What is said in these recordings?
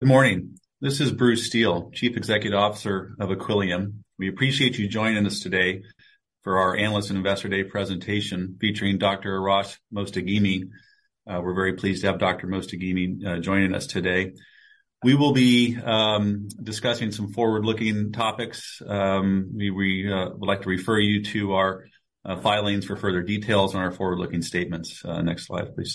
Good morning. This is Bruce Steel, Chief Executive Officer of Equillium. We appreciate you joining us today for our Analyst and Investor Day presentation, featuring Dr. Arash Mostaghimi. We're very pleased to have Dr. Mostaghimi joining us today. We will be discussing some forward-looking topics. We would like to refer you to our filings for further details on our forward-looking statements. Next slide, please,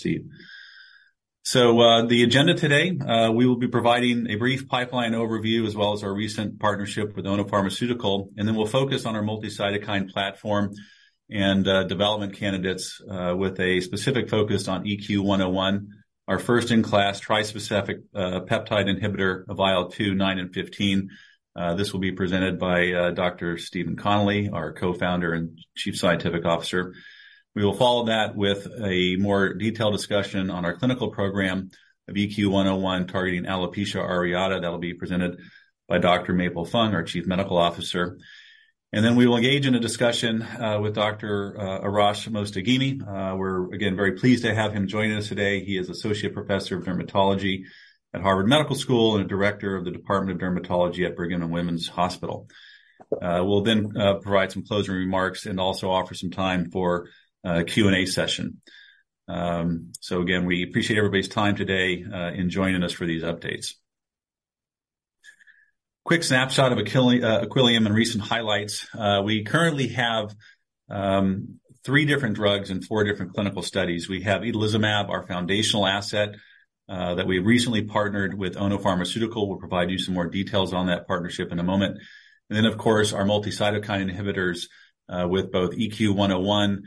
Stephen. The agenda today, we will be providing a brief pipeline overview, as well as our recent partnership with Ono Pharmaceutical. And then we'll focus on our multi-cytokine platform and development candidates, with a specific focus on EQ101, our first-in-class trispecific peptide inhibitor of IL-2, IL-9, and IL-15. This will be presented by Dr. Stephen Connelly, our Co-founder and Chief Scientific Officer. We will follow that with a more detailed discussion on our clinical program of EQ101, targeting alopecia areata. That'll be presented by Dr. Maple Fung, our Chief Medical Officer. And then we will engage in a discussion with Dr. Arash Mostaghimi. We're again very pleased to have him joining us today. He is Associate Professor of Dermatology at Harvard Medical School and Director of the Department of Dermatology at Brigham and Women's Hospital. We'll then provide some closing remarks and also offer some time for a Q&A session. So again, we appreciate everybody's time today in joining us for these updates. Quick snapshot of Equillium and recent highlights. We currently have three different drugs and four different clinical studies. We have itolizumab, our foundational asset, that we recently partnered with Ono Pharmaceutical. We'll provide you some more details on that partnership in a moment. And then, of course, our multi-cytokine inhibitors with both EQ101,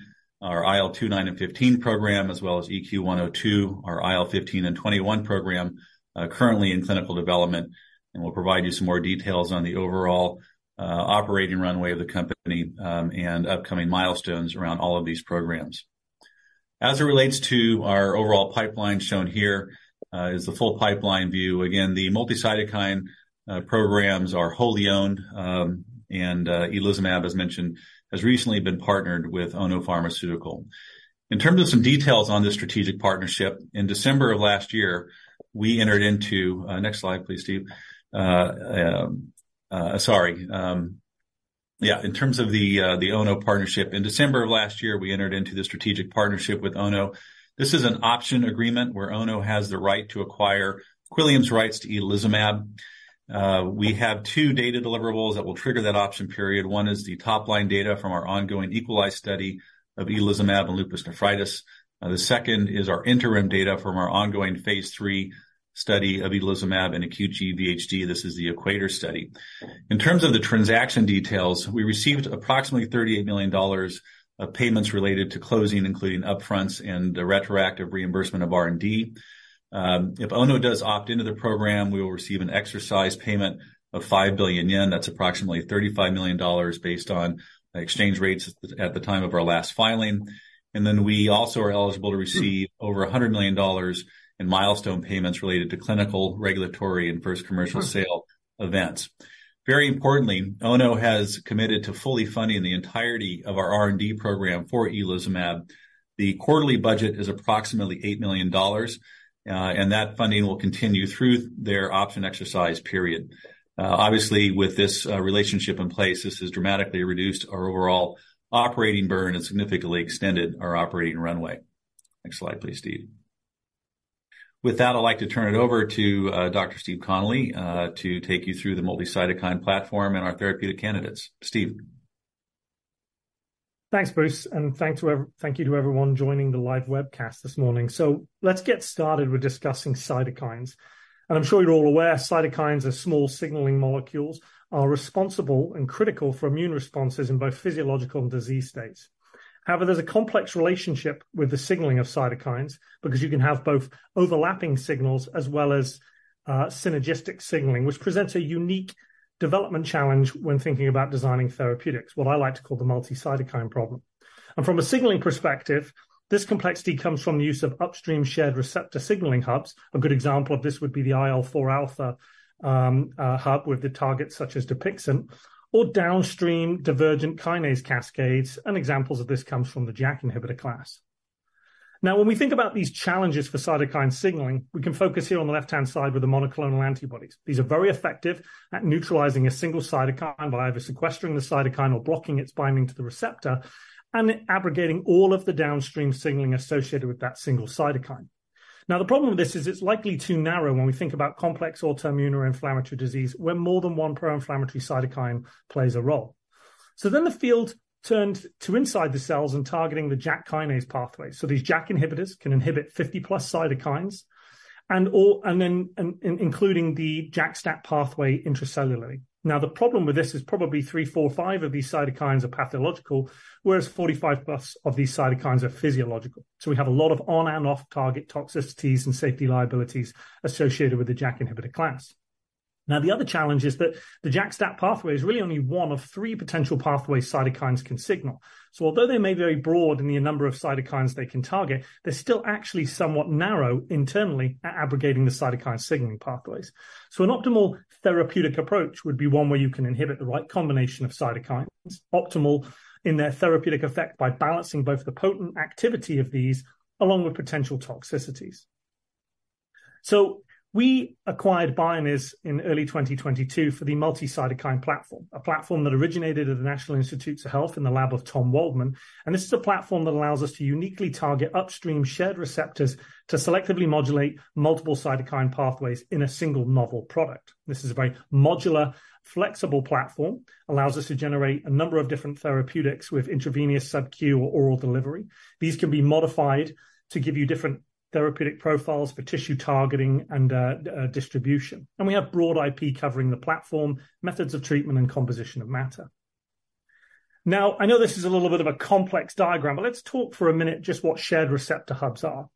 our IL-2, 9, and 15 program, as well as EQ102, our IL-15 and 21 program currently in clinical development. And we'll provide you some more details on the overall operating runway of the company and upcoming milestones around all of these programs. As it relates to our overall pipeline, shown here, is the full pipeline view. Again, the multi-cytokine programs are wholly owned and itolizumab, as mentioned, has recently been partnered with Ono Pharmaceutical. In terms of some details on this strategic partnership, in December of last year, we entered into... next slide, please, Stephen. sorry. Yeah, in terms of the, the Ono partnership, in December of last year, we entered into the strategic partnership with Ono. This is an option agreement where Ono has the right to acquire Equillium's rights to itolizumab. We have two data deliverables that will trigger that option period. One is the top-line data from our ongoing EQUALISE study of itolizumab in lupus nephritis. The second is our interim data from our ongoing phase 3 study of itolizumab in acute GVHD. This is the EQUATOR study. In terms of the transaction details, we received approximately $38 million of payments related to closing, including upfronts and a retroactive reimbursement of R&D. If Ono does opt into the program, we will receive an exercise payment of 5 billion yen. That's approximately $35 million based on exchange rates at the time of our last filing. Then we also are eligible to receive over $100 million in milestone payments related to clinical, regulatory, and first commercial sale events. Very importantly, Ono has committed to fully funding the entirety of our R&D program for itolizumab. The quarterly budget is approximately $8 million, and that funding will continue through their option exercise period. Obviously, with this, relationship in place, this has dramatically reduced our overall operating burn and significantly extended our operating runway. Next slide, please, Stephen. With that, I'd like to turn it over to, Dr. Stephen Connelly, to take you through the multi-cytokine platform and our therapeutic candidates. Steph? Thanks, Bruce, and thank you to everyone joining the live webcast this morning. So let's get started with discussing cytokines. And I'm sure you're all aware cytokines are small signaling molecules, are responsible and critical for immune responses in both physiological and disease states. However, there's a complex relationship with the signaling of cytokines because you can have both overlapping signals as well as synergistic signaling, which presents a unique development challenge when thinking about designing therapeutics, what I like to call the multi-cytokine problem. And from a signaling perspective, this complexity comes from the use of upstream shared receptor signaling hubs. A good example of this would be the IL-4 alpha hub, with the targets such as Dupixent or downstream divergent kinase cascades, and examples of this comes from the JAK inhibitor class. Now, when we think about these challenges for cytokine signaling, we can focus here on the left-hand side with the monoclonal antibodies. These are very effective at neutralizing a single cytokine by either sequestering the cytokine or blocking its binding to the receptor and abrogating all of the downstream signaling associated with that single cytokine. Now, the problem with this is it's likely too narrow when we think about complex autoimmune or inflammatory disease, where more than one pro-inflammatory cytokine plays a role. So then the field turned to inside the cells and targeting the JAK kinase pathway. So these JAK inhibitors can inhibit 50+ cytokines and all, including the JAK-STAT pathway intracellularly. Now, the problem with this is probably 3, 4, 5 of these cytokines are pathological, whereas 45+ of these cytokines are physiological. So we have a lot of on and off-target toxicities and safety liabilities associated with the JAK inhibitor class. Now, the other challenge is that the JAK-STAT pathway is really only one of three potential pathways cytokines can signal. So although they may vary broadly in the number of cytokines they can target, they're still actually somewhat narrow internally at abrogating the cytokine signaling pathways. So an optimal therapeutic approach would be one where you can inhibit the right combination of cytokines, optimal in their therapeutic effect by balancing both the potent activity of these along with potential toxicities. So we acquired Bioniz in early 2022 for the multi-cytokine platform, a platform that originated at the National Institutes of Health in the lab of Tom Waldmann. This is a platform that allows us to uniquely target upstream shared receptors to selectively modulate multiple cytokine pathways in a single novel product. This is a very modular, flexible platform, allows us to generate a number of different therapeutics with intravenous subQ or oral delivery. These can be modified to give you different therapeutic profiles for tissue targeting and, distribution. We have broad IP covering the platform, methods of treatment and composition of matter. Now, I know this is a little bit of a complex diagram, but let's talk for a minute just what shared receptor hubs are.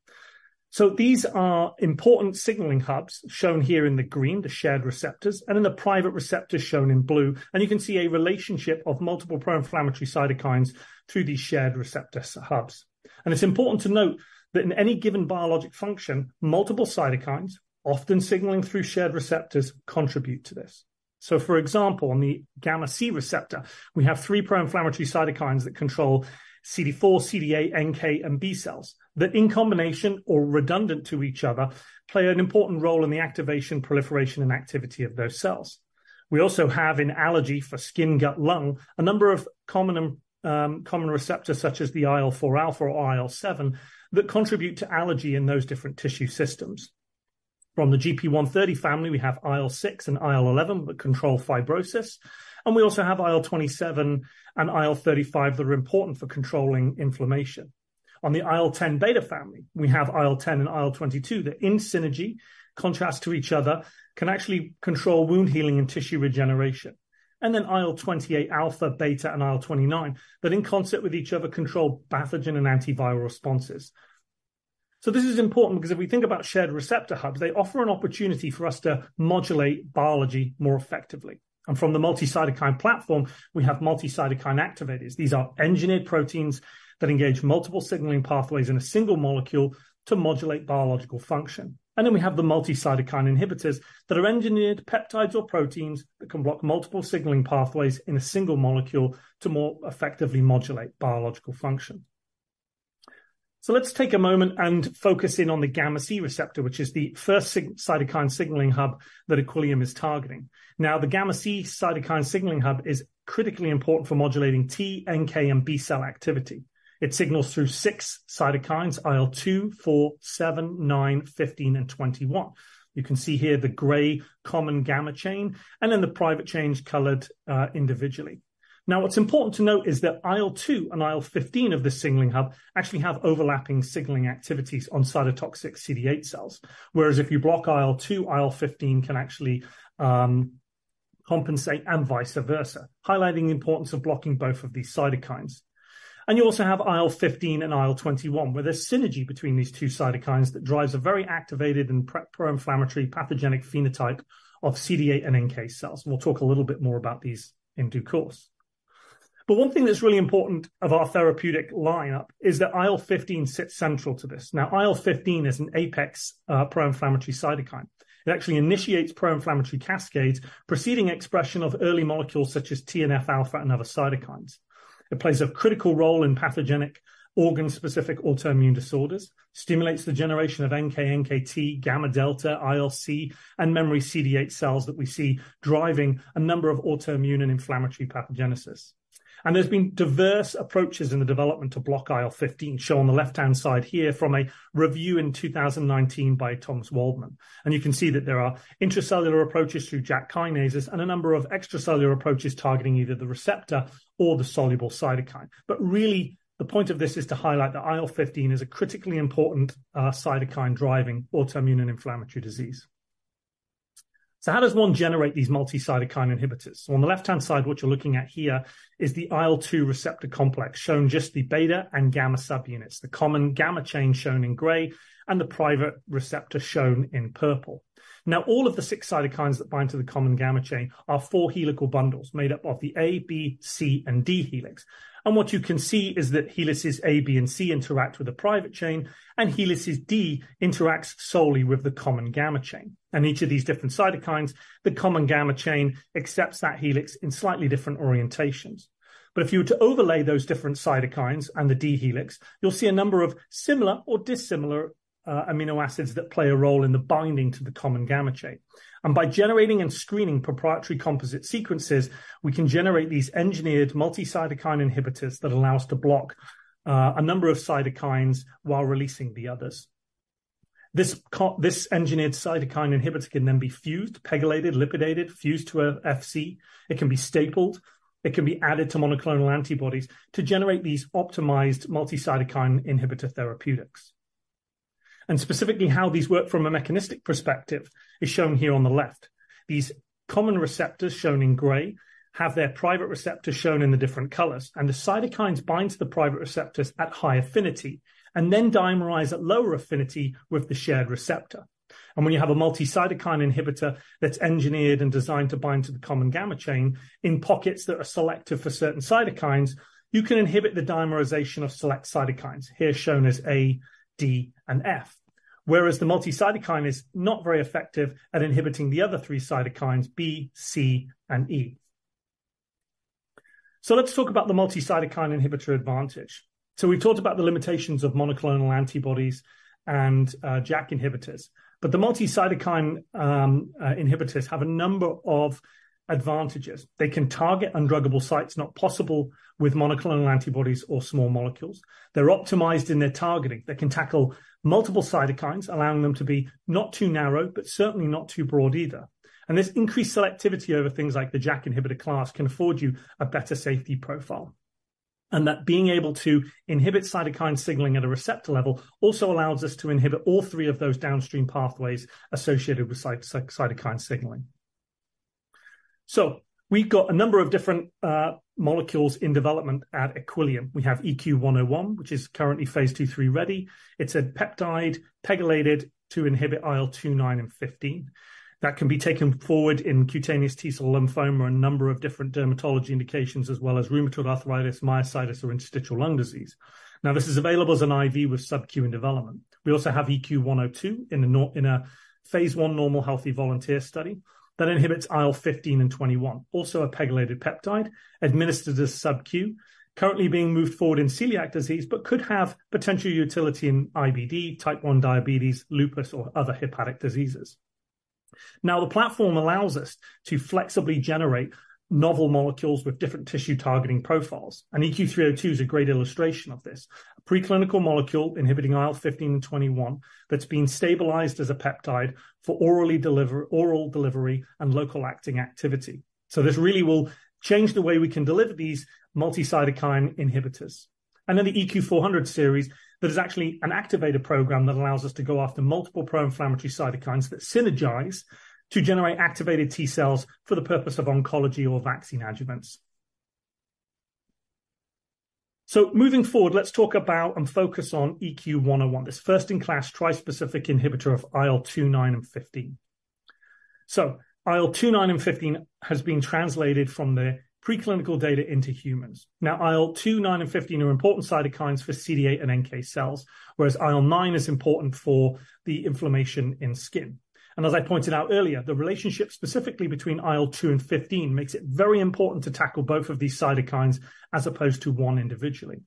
These are important signaling hubs, shown here in the green, the shared receptors, and then the private receptors shown in blue. You can see a relationship of multiple pro-inflammatory cytokines through these shared receptor hubs. It's important to note that in any given biologic function, multiple cytokines, often signaling through shared receptors, contribute to this. So for example, on the gamma c receptor, we have 3 pro-inflammatory cytokines that control CD4, CD8, NK, and B cells, that in combination or redundant to each other, play an important role in the activation, proliferation, and activity of those cells. We also have an allergy for skin, gut, lung, a number of common, common receptors, such as the IL-4 alpha or IL-7, that contribute to allergy in those different tissue systems. From the GP130 family, we have IL-6 and IL-11 that control fibrosis, and we also have IL-27 and IL-35 that are important for controlling inflammation. On the IL-10 beta family, we have IL-10 and IL-22 that in synergy, contrast to each other, can actually control wound healing and tissue regeneration. And then IL-28 alpha, beta, and IL-29, that in concert with each other, control pathogen and antiviral responses. So this is important because if we think about shared receptor hubs, they offer an opportunity for us to modulate biology more effectively. And from the multi-cytokine platform, we have multi-cytokine activators. These are engineered proteins that engage multiple signaling pathways in a single molecule to modulate biological function. And then we have the multi-cytokine inhibitors that are engineered peptides or proteins that can block multiple signaling pathways in a single molecule to more effectively modulate biological function. So let's take a moment and focus in on the gamma c receptor, which is the first cytokine signaling hub that Equillium is targeting. Now, the gamma c cytokine signaling hub is critically important for modulating T, NK, and B cell activity. It signals through six cytokines: IL-2, 4, 7, 9, 15, and 21. You can see here the gray common gamma chain and then the private chains colored individually. Now, what's important to note is that IL-2 and IL-15 of this signaling hub actually have overlapping signaling activities on cytotoxic CD8 cells. Whereas if you block IL-2, IL-15 can actually compensate and vice versa, highlighting the importance of blocking both of these cytokines. And you also have IL-15 and IL-21, where there's synergy between these two cytokines that drives a very activated and pro-inflammatory pathogenic phenotype of CD8 and NK cells. We'll talk a little bit more about these in due course. But one thing that's really important of our therapeutic lineup is that IL-15 sits central to this. Now, IL-15 is an apex pro-inflammatory cytokine. It actually initiates pro-inflammatory cascades, preceding expression of early molecules such as TNF alpha and other cytokines. It plays a critical role in pathogenic organ-specific autoimmune disorders, stimulates the generation of NK, NKT, gamma delta, ILC, and memory CD8 cells that we see driving a number of autoimmune and inflammatory pathogenesis. There's been diverse approaches in the development to block IL-15, shown on the left-hand side here from a review in 2019 by Thomas Waldmann. You can see that there are intracellular approaches through JAK kinases and a number of extracellular approaches targeting either the receptor or the soluble cytokine. But really, the point of this is to highlight that IL-15 is a critically important cytokine driving autoimmune and inflammatory disease. So how does one generate these multi-cytokine inhibitors? On the left-hand side, what you're looking at here is the IL-2 receptor complex, showing just the beta and gamma subunits, the common gamma chain shown in gray and the private receptor shown in purple. Now, all of the six cytokines that bind to the common gamma chain are four helical bundles made up of the A, B, C, and D helix. And what you can see is that helices A, B, and C interact with a private chain, and helices D interacts solely with the common gamma chain. And each of these different cytokines, the common gamma chain, accepts that helix in slightly different orientations. But if you were to overlay those different cytokines and the D helix, you'll see a number of similar or dissimilar amino acids that play a role in the binding to the common gamma chain. By generating and screening proprietary composite sequences, we can generate these engineered multi-cytokine inhibitors that allow us to block a number of cytokines while releasing the others. This engineered cytokine inhibitor can then be fused, pegylated, lipidated, fused to a Fc. It can be stapled. It can be added to monoclonal antibodies to generate these optimized multi-cytokine inhibitor therapeutics. Specifically how these work from a mechanistic perspective is shown here on the left. These common receptors, shown in gray, have their private receptors shown in the different colors, and the cytokines bind to the private receptors at high affinity and then dimerize at lower affinity with the shared receptor. And when you have a multi-cytokine inhibitor that's engineered and designed to bind to the common gamma chain in pockets that are selective for certain cytokines, you can inhibit the dimerization of select cytokines, here shown as A, D, and F. Whereas the multi-cytokine is not very effective at inhibiting the other three cytokines, B, C, and E. So let's talk about the multi-cytokine inhibitor advantage. So we've talked about the limitations of monoclonal antibodies and JAK inhibitors. But the multi-cytokine inhibitors have a number of advantages. They can target undruggable sites not possible with monoclonal antibodies or small molecules. They're optimized in their targeting. They can tackle multiple cytokines, allowing them to be not too narrow, but certainly not too broad either. And this increased selectivity over things like the JAK inhibitor class can afford you a better safety profile. That being able to inhibit cytokine signaling at a receptor level also allows us to inhibit all three of those downstream pathways associated with cytokine signaling. So we've got a number of different molecules in development at Equillium. We have EQ101, which is currently phase 2, 3 ready. It's a peptide pegylated to inhibit IL-2, 9, and 15, that can be taken forward in cutaneous T-cell lymphoma and a number of different dermatology indications, as well as rheumatoid arthritis, myositis or interstitial lung disease. Now, this is available as an IV with subQ in development. We also have EQ102 in a phase 1 normal healthy volunteer study that inhibits IL-15 and 21. Also, a pegylated peptide administered as subQ, currently being moved forward in celiac disease, but could have potential utility in IBD, type 1 diabetes, lupus, or other hepatic diseases. Now, the platform allows us to flexibly generate novel molecules with different tissue targeting profiles, and EQ302 is a great illustration of this. A preclinical molecule inhibiting IL-15 and 21, that's been stabilized as a peptide for oral delivery and local acting activity. So this really will change the way we can deliver these multi-cytokine inhibitors. And then the EQ400 series, that is actually an activator program that allows us to go after multiple pro-inflammatory cytokines that synergize to generate activated T-cells for the purpose of oncology or vaccine adjuvants. So moving forward, let's talk about and focus on EQ101, this first-in-class tri-specific inhibitor of IL-2, 9, and 15. So IL-2, 9, and 15 has been translated from the preclinical data into humans. Now, IL-2, 9, and 15 are important cytokines for CD8 and NK cells, whereas IL-9 is important for the inflammation in skin. And as I pointed out earlier, the relationship specifically between IL-2 and IL-15 makes it very important to tackle both of these cytokines as opposed to one individually.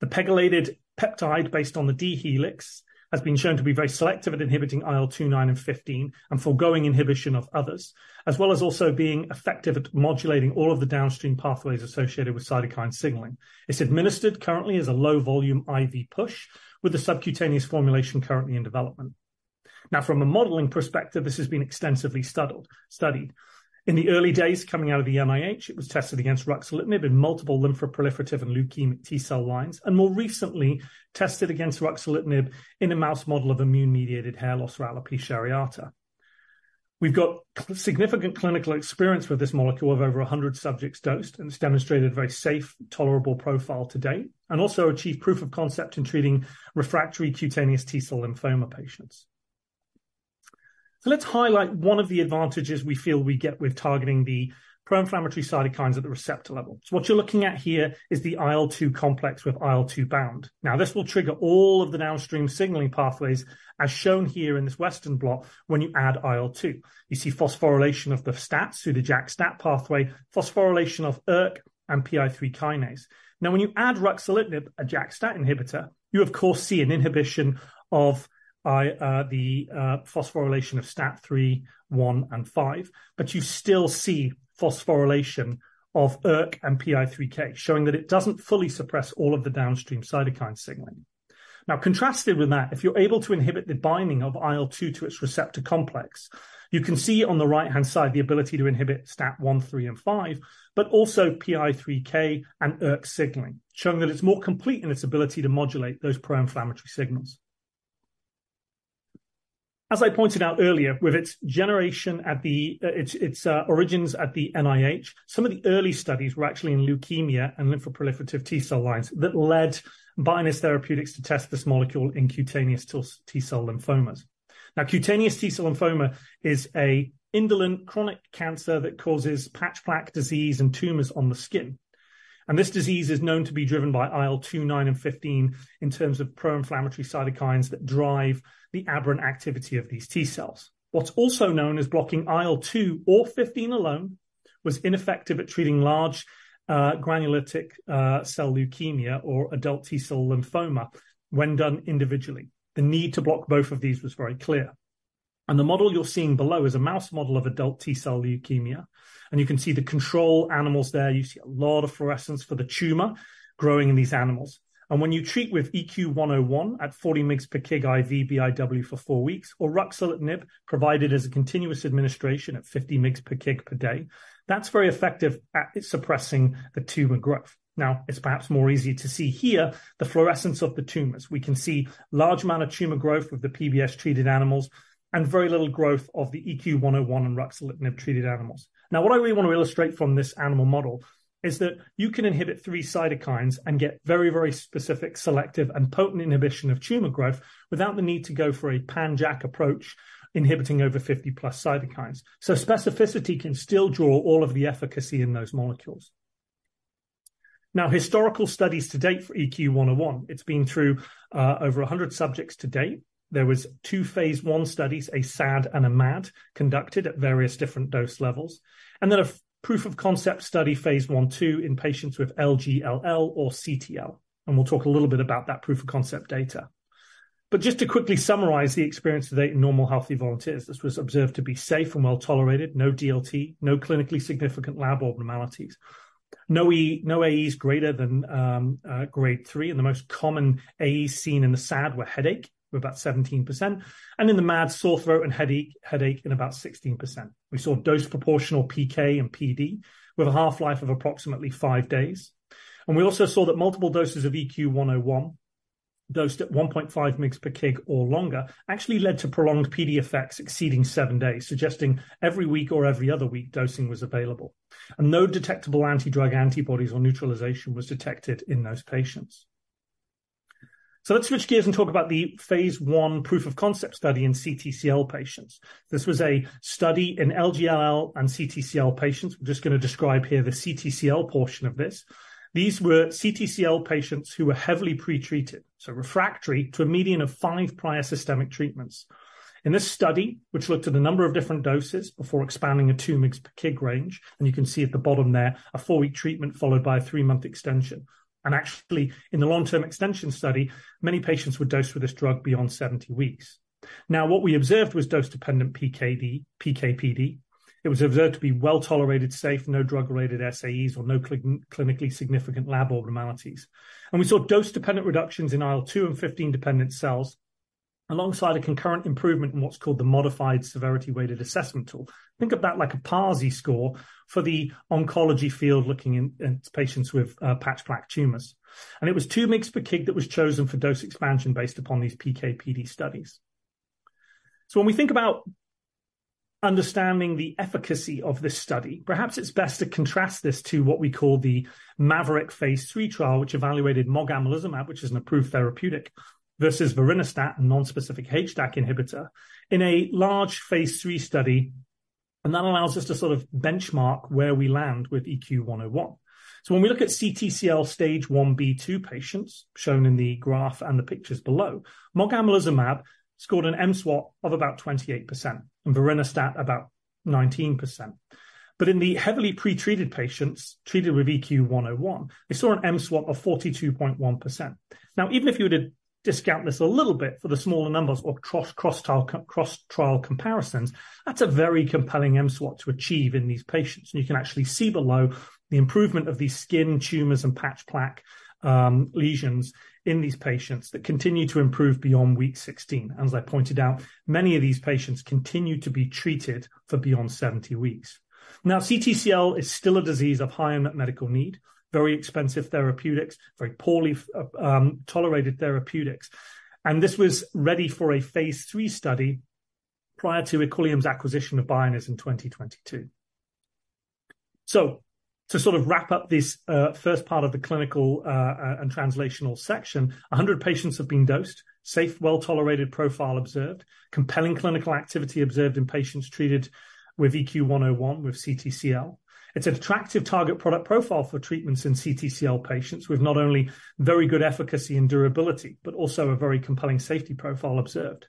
The pegylated peptide, based on the D-helix, has been shown to be very selective at inhibiting IL-2, IL-9, and IL-15 and forgoing inhibition of others, as well as also being effective at modulating all of the downstream pathways associated with cytokine signaling. It's administered currently as a low volume IV push, with a subcutaneous formulation currently in development. Now, from a modeling perspective, this has been extensively studied. In the early days, coming out of the NIH, it was tested against ruxolitinib in multiple lymphoproliferative and leukemic T-cell lines, and more recently tested against ruxolitinib in a mouse model of immune-mediated hair loss or alopecia areata. We've got significant clinical experience with this molecule of over 100 subjects dosed, and it's demonstrated a very safe, tolerable profile to date, and also achieved proof of concept in treating refractory cutaneous T-cell lymphoma patients. So let's highlight one of the advantages we feel we get with targeting the pro-inflammatory cytokines at the receptor level. So what you're looking at here is the IL-2 complex with IL-2 bound. Now, this will trigger all of the downstream signaling pathways, as shown here in this Western blot when you add IL-2. You see phosphorylation of the STAT through the JAK-STAT pathway, phosphorylation of ERK and PI3K. Now, when you add ruxolitinib, a JAK-STAT inhibitor, you of course see an inhibition of the phosphorylation of STAT 3, 1, and 5, but you still see phosphorylation of ERK and PI3K, showing that it doesn't fully suppress all of the downstream cytokine signaling. Now, contrasted with that, if you're able to inhibit the binding of IL-2 to its receptor complex, you can see on the right-hand side the ability to inhibit STAT 1, 3, and 5, but also PI3K and ERK signaling, showing that it's more complete in its ability to modulate those pro-inflammatory signals. As I pointed out earlier, with its generation at its origins at the NIH, some of the early studies were actually in leukemia and lymphoproliferative T-cell lines that led Bioniz Therapeutics to test this molecule in cutaneous T-cell lymphomas. Now, cutaneous T-cell lymphoma is an indolent chronic cancer that causes patch plaque disease and tumors on the skin. This disease is known to be driven by IL-2, IL-9, and IL-15 in terms of pro-inflammatory cytokines that drive the aberrant activity of these T cells. What's also known is blocking IL-2 or IL-15 alone was ineffective at treating large granular lymphocytic leukemia or adult T-cell lymphoma when done individually. The need to block both of these was very clear. The model you're seeing below is a mouse model of adult T-cell leukemia, and you can see the control animals there. You see a lot of fluorescence for the tumor growing in these animals. And when you treat with EQ101 at 40 mg per kg IV BIW for 4 weeks, or ruxolitinib provided as a continuous administration at 50 mg per kg per day, that's very effective at suppressing the tumor growth. Now, it's perhaps more easy to see here, the fluorescence of the tumors. We can see large amount of tumor growth with the PBS-treated animals and very little growth of the EQ101 and ruxolitinib-treated animals. Now, what I really want to illustrate from this animal model is that you can inhibit 3 cytokines and get very, very specific, selective and potent inhibition of tumor growth without the need to go for a pan-JAK approach, inhibiting over 50+ cytokines. So specificity can still draw all of the efficacy in those molecules. Now, historical studies to date for EQ101, it's been through over 100 subjects to date. There was two phase I studies, a SAD and a MAD, conducted at various different dose levels, and then a proof of concept study, phase I/II, in patients with LGLL or CTCL, and we'll talk a little bit about that proof of concept data. But just to quickly summarize the experience to date in normal healthy volunteers, this was observed to be safe and well tolerated, no DLT, no clinically significant lab abnormalities, no AEs greater than Grade 3. The most common AEs seen in the SAD were headache, with about 17%, and in the MAD, sore throat and headache, headache in about 16%. We saw dose proportional PK and PD with a half-life of approximately five days. And we also saw that multiple doses of EQ101, dosed at 1.5 mg/kg or longer, actually led to prolonged PD effects exceeding 7 days, suggesting every week or every other week dosing was available. And no detectable anti-drug antibodies or neutralization was detected in those patients. So let's switch gears and talk about the phase I proof of concept study in CTCL patients. This was a study in LGLL and CTCL patients. I'm just gonna describe here the CTCL portion of this. These were CTCL patients who were heavily pre-treated, so refractory to a median of 5 prior systemic treatments. In this study, which looked at a number of different doses before expanding a 2 mg/kg range, and you can see at the bottom there, a 4-week treatment followed by a 3-month extension. Actually, in the long-term extension study, many patients were dosed with this drug beyond 70 weeks. Now, what we observed was dose-dependent PK/PD. It was observed to be well tolerated, safe, no drug-related SAEs or no clinically significant lab abnormalities. And we saw dose-dependent reductions in IL-2 and IL-15-dependent cells, alongside a concurrent improvement in what's called the Modified Severity Weighted Assessment Tool. Think of that like a PASI score for the oncology field, looking in patients with patch plaque tumors. And it was 2 mg/kg that was chosen for dose expansion based upon these PK/PD studies. So when we think about understanding the efficacy of this study, perhaps it's best to contrast this to what we call the MAVERICK phase III trial, which evaluated mogamulizumab, which is an approved therapeutic, versus vorinostat, a non-specific HDAC inhibitor, in a large phase III study, and that allows us to sort of benchmark where we land with EQ101. When we look at CTCL Stage IB/II patients, shown in the graph and the pictures below, mogamulizumab scored an mSWAT of about 28%, and vorinostat about 19%. But in the heavily pre-treated patients treated with EQ101, we saw an mSWAT of 42.1%. Even if you were to discount this a little bit for the smaller numbers or cross-trial comparisons, that's a very compelling mSWAT to achieve in these patients. You can actually see below the improvement of these skin tumors and patch plaque lesions in these patients that continue to improve beyond week 16. As I pointed out, many of these patients continued to be treated for beyond 70 weeks. Now, CTCL is still a disease of high medical need, very expensive therapeutics, very poorly tolerated therapeutics. This was ready for a phase III study prior to Equillium's acquisition of Bioniz in 2022. To sort of wrap up this first part of the clinical and translational section, 100 patients have been dosed, safe, well-tolerated profile observed, compelling clinical activity observed in patients treated with EQ101 with CTCL. It's an attractive target product profile for treatments in CTCL patients, with not only very good efficacy and durability, but also a very compelling safety profile observed.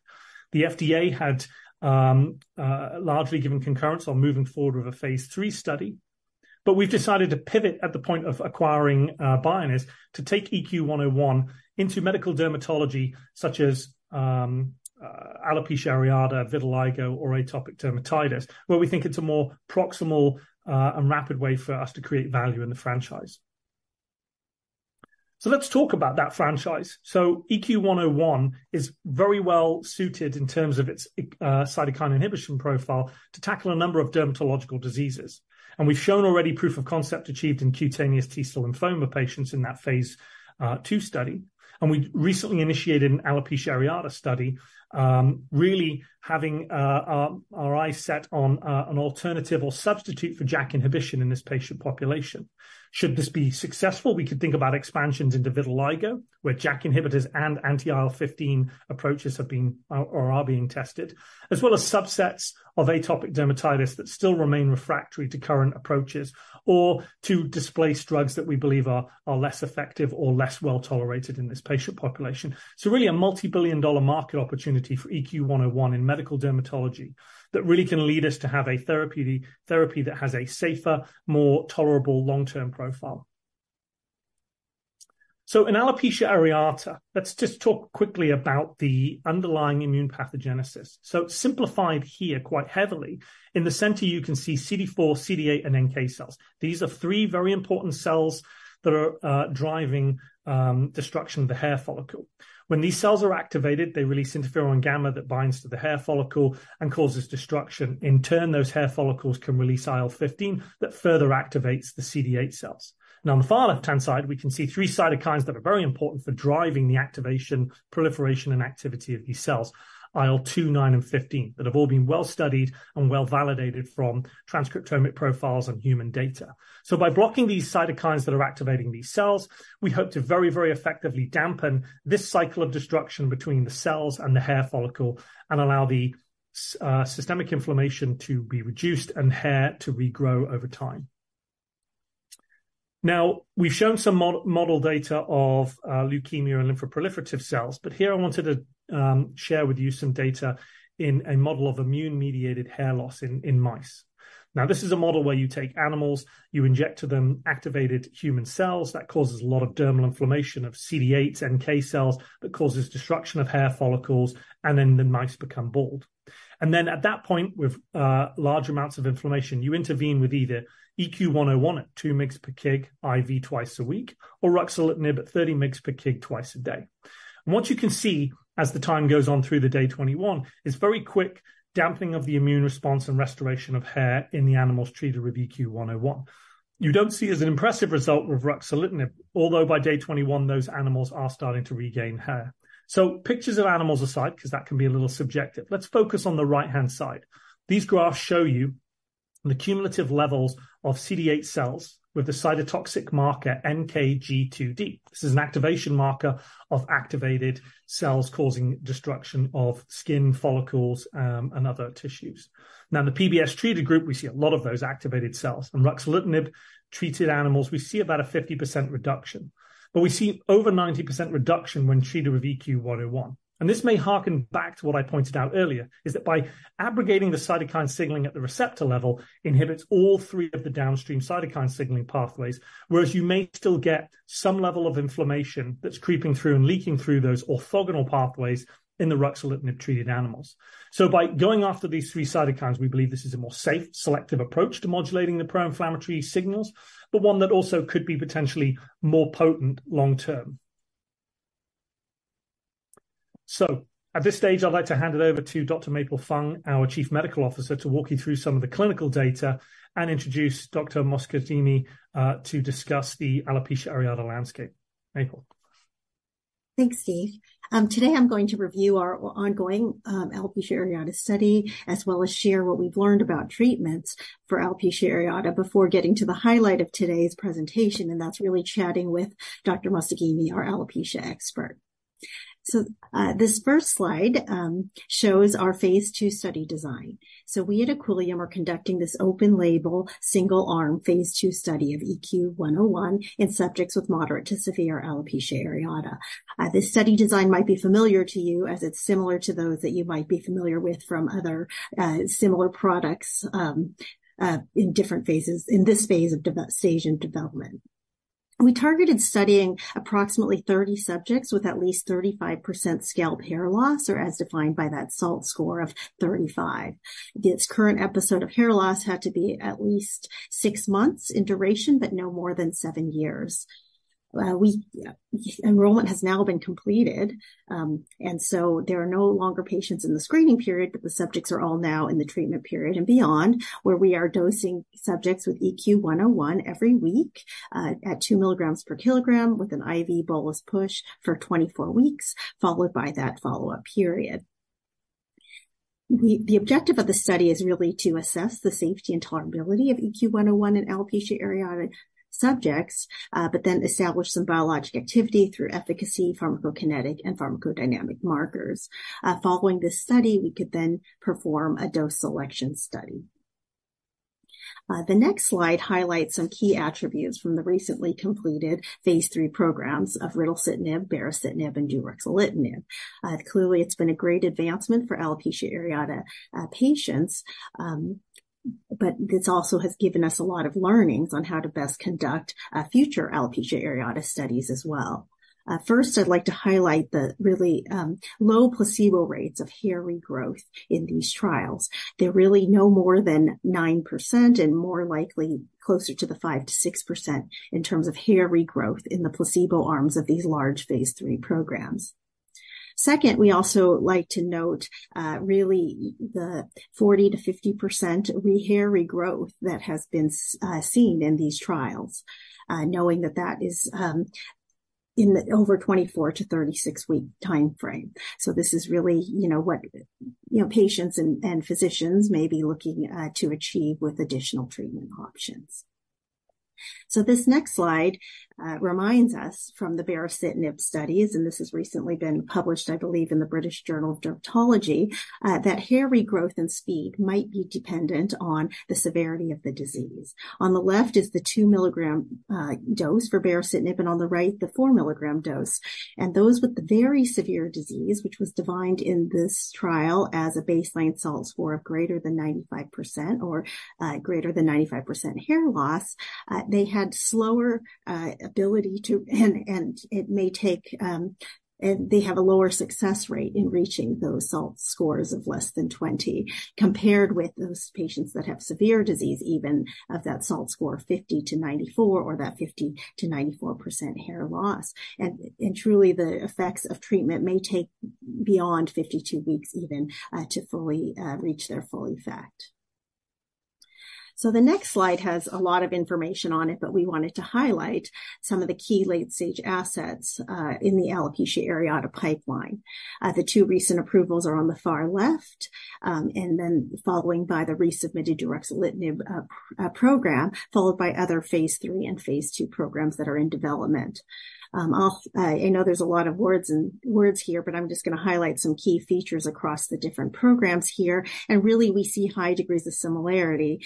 The FDA had largely given concurrence on moving forward with a phase 3 study, but we've decided to pivot at the point of acquiring Bioniz to take EQ101 into medical dermatology, such as alopecia areata, vitiligo, or atopic dermatitis, where we think it's a more proximal and rapid way for us to create value in the franchise. So let's talk about that franchise. EQ101 is very well suited in terms of its cytokine inhibition profile to tackle a number of dermatological diseases. We've shown already proof of concept achieved in cutaneous T-cell lymphoma patients in that phase 2 study. We recently initiated an alopecia areata study, really having our eyes set on an alternative or substitute for JAK inhibition in this patient population. Should this be successful, we could think about expansions into vitiligo, where JAK inhibitors and anti-IL-15 approaches have been, or are being tested, as well as subsets of atopic dermatitis that still remain refractory to current approaches, or to displace drugs that we believe are, are less effective or less well-tolerated in this patient population. So really, a multi-billion dollar market opportunity for EQ101 in medical dermatology that really can lead us to have a therapy, therapy that has a safer, more tolerable long-term profile. So in alopecia areata, let's just talk quickly about the underlying immune pathogenesis. So simplified here, quite heavily, in the center, you can see CD4, CD8, and NK cells. These are three very important cells that are driving destruction of the hair follicle. When these cells are activated, they release interferon gamma that binds to the hair follicle and causes destruction. In turn, those hair follicles can release IL-15, that further activates the CD8 cells. Now, on the far left-hand side, we can see three cytokines that are very important for driving the activation, proliferation, and activity of these cells: IL-2, IL-9, and IL-15, that have all been well-studied and well-validated from transcriptomic profiles and human data. So by blocking these cytokines that are activating these cells, we hope to very, very effectively dampen this cycle of destruction between the cells and the hair follicle and allow the systemic inflammation to be reduced and hair to regrow over time. Now, we've shown some model data of leukemia and lymphoproliferative cells, but here I wanted to share with you some data in a model of immune-mediated hair loss in mice. Now, this is a model where you take animals, you inject to them activated human cells. That causes a lot of dermal inflammation of CD8 NK cells, that causes destruction of hair follicles, and then the mice become bald. And then at that point, with large amounts of inflammation, you intervene with either EQ101 at 2 mg/kg IV twice a week, or ruxolitinib at 30 mg/kg twice a day. And what you can see as the time goes on through day 21, is very quick damping of the immune response and restoration of hair in the animals treated with EQ101. You don't see as an impressive result with ruxolitinib, although by day 21, those animals are starting to regain hair. So pictures of animals aside, 'cause that can be a little subjective, let's focus on the right-hand side. These graphs show you the cumulative levels of CD8 cells with the cytotoxic marker NKG2D. This is an activation marker of activated cells causing destruction of skin follicles, and other tissues. Now, in the PBS treated group, we see a lot of those activated cells. In ruxolitinib-treated animals, we see about a 50% reduction, but we see over 90% reduction when treated with EQ101. And this may harken back to what I pointed out earlier, is that by abrogating the cytokine signaling at the receptor level, inhibits all three of the downstream cytokine signaling pathways. Whereas you may still get some level of inflammation that's creeping through and leaking through those orthogonal pathways in the ruxolitinib-treated animals. So by going after these three cytokines, we believe this is a more safe, selective approach to modulating the pro-inflammatory signals, but one that also could be potentially more potent long term. So at this stage, I'd like to hand it over to Dr. Maple Fung, our Chief Medical Officer, to walk you through some of the clinical data and introduce Dr. Mostaghimi to discuss the alopecia areata landscape. Maple. Thanks, Stephen. Today I'm going to review our ongoing alopecia areata study, as well as share what we've learned about treatments for alopecia areata before getting to the highlight of today's presentation, and that's really chatting with Dr. Mostaghimi, our alopecia expert. This first slide shows our phase 2 study design. We at Equillium are conducting this open-label, single-arm phase 2 study of EQ101 in subjects with moderate to severe alopecia areata. This study design might be familiar to you, as it's similar to those that you might be familiar with from other similar products in different phases in this stage of development. We targeted studying approximately 30 subjects with at least 35% scalp hair loss, or as defined by that SALT score of 35. This current episode of hair loss had to be at least 6 months in duration, but no more than 7 years. Enrollment has now been completed, and so there are no longer patients in the screening period, but the subjects are all now in the treatment period and beyond, where we are dosing subjects with EQ101 every week, at 2 milligrams per kilogram with an IV bolus push for 24 weeks, followed by that follow-up period. The objective of the study is really to assess the safety and tolerability of EQ101 in alopecia areata subjects, but then establish some biologic activity through efficacy, pharmacokinetic, and pharmacodynamic markers. Following this study, we could then perform a dose selection study. The next slide highlights some key attributes from the recently completed phase 3 programs of ritlecitinib, baricitinib, and deuruxolitinib. Clearly, it's been a great advancement for alopecia areata patients, but this also has given us a lot of learnings on how to best conduct future alopecia areata studies as well. First, I'd like to highlight the really low placebo rates of hair regrowth in these trials. They're really no more than 9% and more likely closer to the 5%-6% in terms of hair regrowth in the placebo arms of these large phase 3 programs. Second, we also like to note really the 40%-50% hair regrowth that has been seen in these trials, knowing that that is in the over 24- to 36-week timeframe. So this is really, you know, what, you know, patients and physicians may be looking to achieve with additional treatment options. So this next slide reminds us from the baricitinib studies, and this has recently been published, I believe, in the British Journal of Dermatology that hair regrowth and speed might be dependent on the severity of the disease. On the left is the 2-milligram dose for baricitinib, and on the right, the 4-milligram dose. And those with the very severe disease, which was defined in this trial as a baseline SALT score of greater than 95% or greater than 95% hair loss, they had slower ability to... And it may take, and they have a lower success rate in reaching those SALT scores of less than 20, compared with those patients that have severe disease, even of that SALT score, 50-94, or that 50%-94% hair loss. Truly, the effects of treatment may take beyond 52 weeks even to fully reach their full effect. So the next slide has a lot of information on it, but we wanted to highlight some of the key late-stage assets in the alopecia areata pipeline. The 2 recent approvals are on the far left, and then following by the resubmitted deuruxolitinib program, followed by other phase 3 and phase 2 programs that are in development. I'll know there's a lot of words and words here, but I'm just gonna highlight some key features across the different programs here. Really, we see high degrees of similarity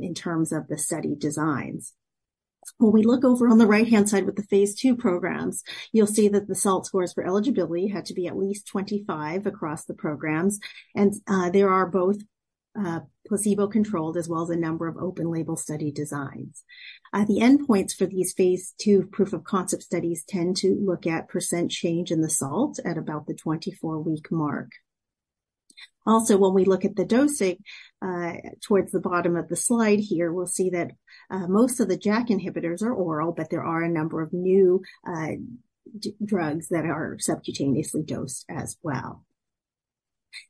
in terms of the study designs. When we look over on the right-hand side with the phase 2 programs, you'll see that the SALT scores for eligibility had to be at least 25 across the programs, and they are both placebo-controlled as well as a number of open-label study designs. The endpoints for these phase 2 proof of concept studies tend to look at % change in the SALT at about the 24-week mark. Also, when we look at the dosing towards the bottom of the slide here, we'll see that most of the JAK inhibitors are oral, but there are a number of new drugs that are subcutaneously dosed as well.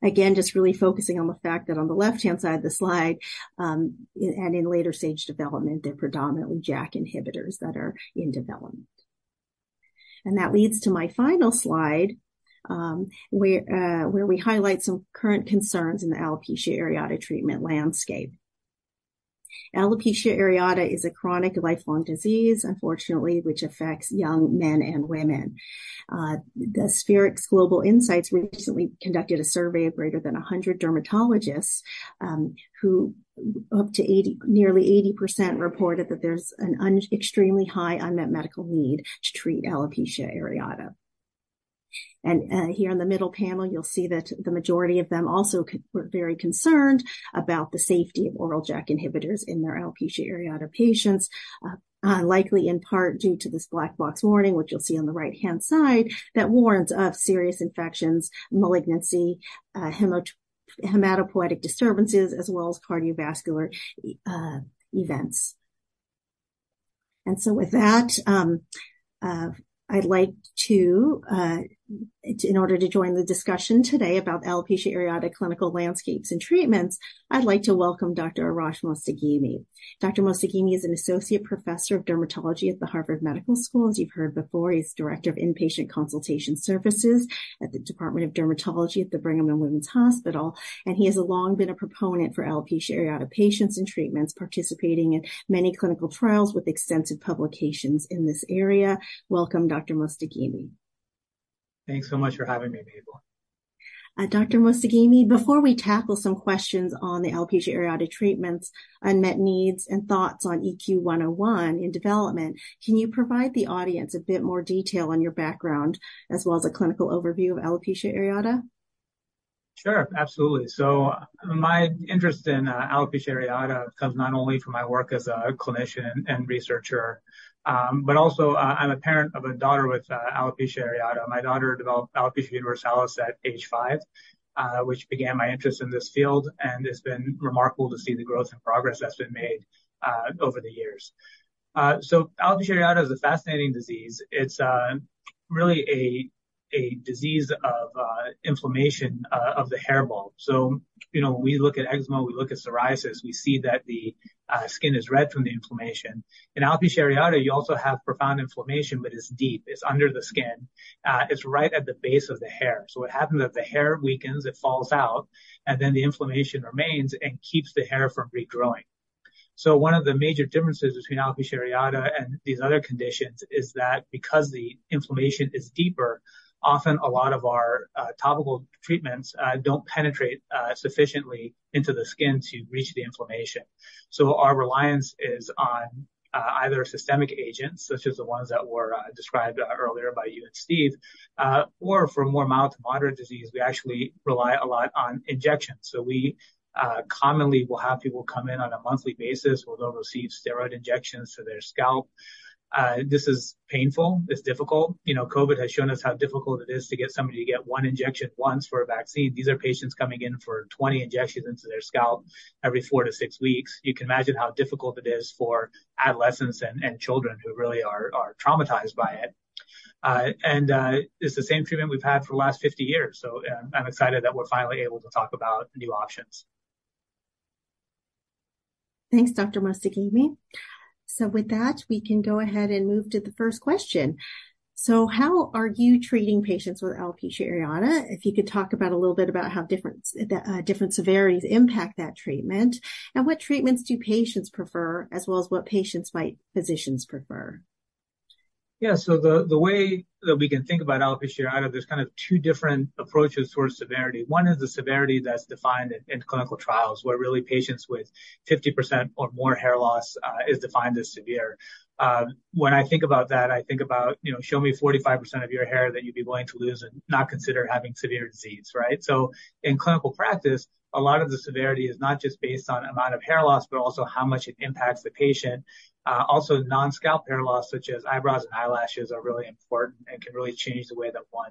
Again, just really focusing on the fact that on the left-hand side of the slide, and in later stage development, they're predominantly JAK inhibitors that are in development. That leads to my final slide, where we highlight some current concerns in the alopecia areata treatment landscape. Alopecia areata is a chronic, lifelong disease, unfortunately, which affects young men and women. The Spherix Global Insights recently conducted a survey of greater than 100 dermatologists, who up to nearly 80% reported that there's an extremely high unmet medical need to treat alopecia areata. Here in the middle panel, you'll see that the majority of them also were very concerned about the safety of oral JAK inhibitors in their alopecia areata patients, likely in part due to this black box warning, which you'll see on the right-hand side, that warns of serious infections, malignancy, hematopoietic disturbances, as well as cardiovascular events. And so with that, I'd like to, in order to join the discussion today about alopecia areata clinical landscapes and treatments, I'd like to welcome Dr. Arash Mostaghimi. Dr. Mostaghimi is an associate professor of dermatology at the Harvard Medical School. As you've heard before, he's Director of Inpatient Consultation Services at the Department of Dermatology at the Brigham and Women's Hospital, and he has long been a proponent for alopecia areata patients and treatments, participating in many clinical trials with extensive publications in this area. Welcome, Dr. Mostaghimi. Thanks so much for having me, Maple. Dr. Mostaghimi, before we tackle some questions on the alopecia areata treatments, unmet needs, and thoughts on EQ101 in development, can you provide the audience a bit more detail on your background, as well as a clinical overview of alopecia areata? Sure, absolutely. So my interest in alopecia areata comes not only from my work as a clinician and researcher, but also, I'm a parent of a daughter with alopecia areata. My daughter developed alopecia universalis at age five, which began my interest in this field, and it's been remarkable to see the growth and progress that's been made over the years. So alopecia areata is a fascinating disease. It's really a disease of inflammation of the hair bulb. So, you know, when we look at eczema, we look at psoriasis, we see that the skin is red from the inflammation. In alopecia areata, you also have profound inflammation, but it's deep, it's under the skin. It's right at the base of the hair. So what happens is the hair weakens, it falls out, and then the inflammation remains and keeps the hair from regrowing. So one of the major differences between alopecia areata and these other conditions is that because the inflammation is deeper, often a lot of our topical treatments don't penetrate sufficiently into the skin to reach the inflammation. So our reliance is on either systemic agents, such as the ones that were described earlier by you and Stephen. Or for more mild to moderate disease, we actually rely a lot on injections. So we commonly will have people come in on a monthly basis, where they'll receive steroid injections to their scalp. This is painful, it's difficult. You know, COVID has shown us how difficult it is to get somebody to get one injection once for a vaccine. These are patients coming in for 20 injections into their scalp every 4-6 weeks. You can imagine how difficult it is for adolescents and children, who really are traumatized by it. It's the same treatment we've had for the last 50 years. So I'm excited that we're finally able to talk about new options. Thanks, Dr. Mostaghimi. So with that, we can go ahead and move to the first question. So how are you treating patients with alopecia areata? If you could talk about... a little bit about how different severities impact that treatment, and what treatments do patients prefer, as well as what patients might physicians prefer? Yeah. So the way that we can think about alopecia areata, there's kind of two different approaches toward severity. One is the severity that's defined in clinical trials, where really patients with 50% or more hair loss is defined as severe. When I think about that, I think about, you know, show me 45% of your hair that you'd be willing to lose and not consider having a severe disease, right? So in clinical practice, a lot of the severity is not just based on amount of hair loss, but also how much it impacts the patient. Also, non-scalp hair loss, such as eyebrows and eyelashes, are really important and can really change the way that one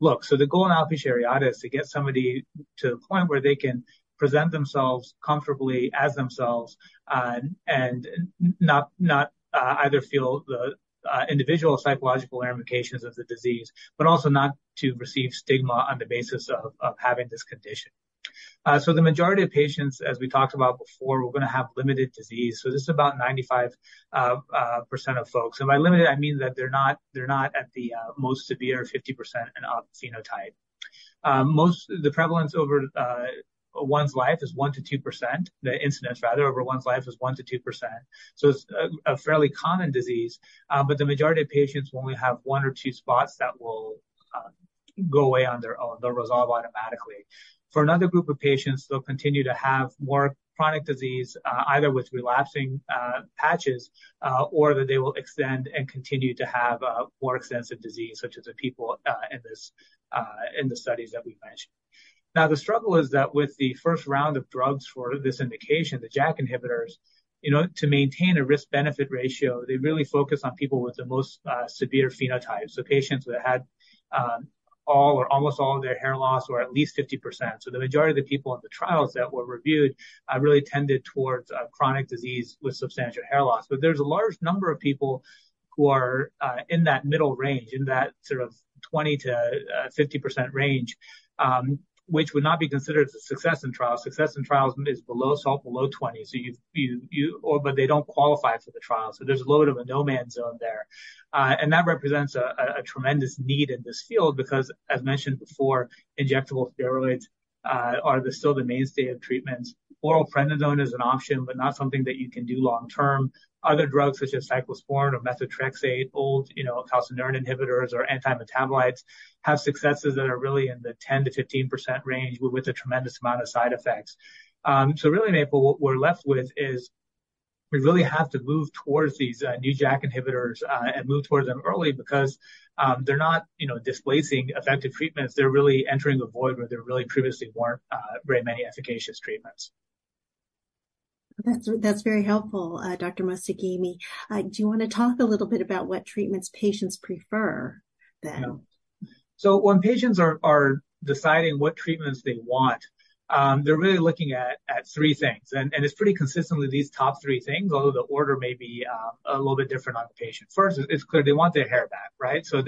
looks. So the goal in alopecia areata is to get somebody to the point where they can present themselves comfortably as themselves, and not either feel the individual psychological ramifications of the disease, but also not to receive stigma on the basis of having this condition. So the majority of patients, as we talked about before, we're gonna have limited disease. So this is about 95% of folks. And by limited, I mean that they're not at the most severe 50% in a phenotype. The prevalence over one's life is 1%-2%. The incidence, rather, over one's life is 1%-2%, so it's a fairly common disease. But the majority of patients only have one or two spots that will go away on their own. They'll resolve automatically. For another group of patients, they'll continue to have more chronic disease, either with relapsing, patches, or that they will extend and continue to have, more extensive disease, such as the people, in this, in the studies that we've mentioned. Now, the struggle is that with the first round of drugs for this indication, the JAK inhibitors, you know, to maintain a risk-benefit ratio, they really focus on people with the most, severe phenotypes, so patients that had, all or almost all of their hair loss, or at least 50%. So the majority of the people in the trials that were reviewed, really tended towards, chronic disease with substantial hair loss. But there's a large number of people who are in that middle range, in that sort of 20%-50% range, which would not be considered a success in trials. Success in trials is below 20%. Or, but they don't qualify for the trial, so there's a load of a no-man zone there. And that represents a tremendous need in this field because, as mentioned before, injectable steroids are still the mainstay of treatments. Oral prednisone is an option, but not something that you can do long term. Other drugs, such as cyclosporine or methotrexate, old, you know, calcineurin inhibitors or antimetabolites, have successes that are really in the 10%-15% range, but with a tremendous amount of side effects. So really, Maple, what we're left with is, we really have to move towards these new JAK inhibitors and move towards them early because they're not, you know, displacing effective treatments. They're really entering a void where there really previously weren't very many efficacious treatments. That's very helpful, Dr. Mostaghimi. Do you wanna talk a little bit about what treatments patients prefer then? So when patients are deciding what treatments they want, they're really looking at three things, and it's pretty consistently these top three things, although the order may be a little bit different on the patient. First, it's clear they want their hair back, right? So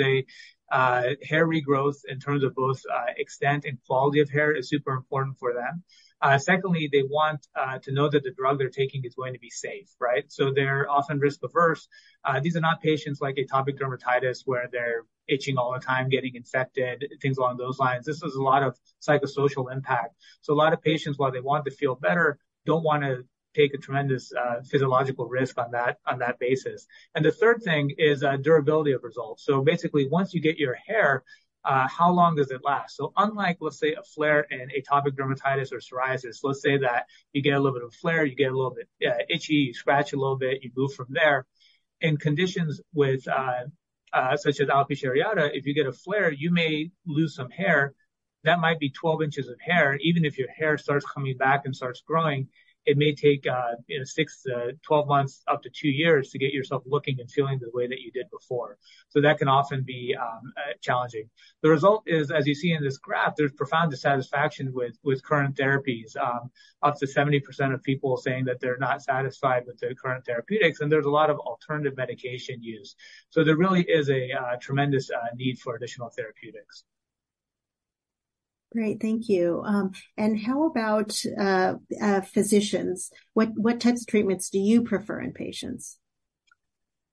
hair regrowth, in terms of both extent and quality of hair, is super important for them. Secondly, they want to know that the drug they're taking is going to be safe, right? So they're often risk-averse. These are not patients like atopic dermatitis, where they're itching all the time, getting infected, things along those lines. This is a lot of psychosocial impact. So a lot of patients, while they want to feel better, don't wanna take a tremendous physiological risk on that basis. The third thing is durability of results. So basically, once you get your hair, how long does it last? So unlike, let's say, a flare in atopic dermatitis or psoriasis, so let's say that you get a little bit of a flare, you get a little bit itchy, you scratch a little bit, you move from there. In conditions with such as alopecia areata, if you get a flare, you may lose some hair. That might be 12 inches of hair. Even if your hair starts coming back and starts growing, it may take, you know, six to 12 months, up to 2 years, to get yourself looking and feeling the way that you did before. So that can often be challenging. The result is, as you see in this graph, there's profound dissatisfaction with current therapies. Up to 70% of people saying that they're not satisfied with the current therapeutics, and there's a lot of alternative medication used. So there really is a tremendous need for additional therapeutics. Great, thank you. And how about physicians? What types of treatments do you prefer in patients?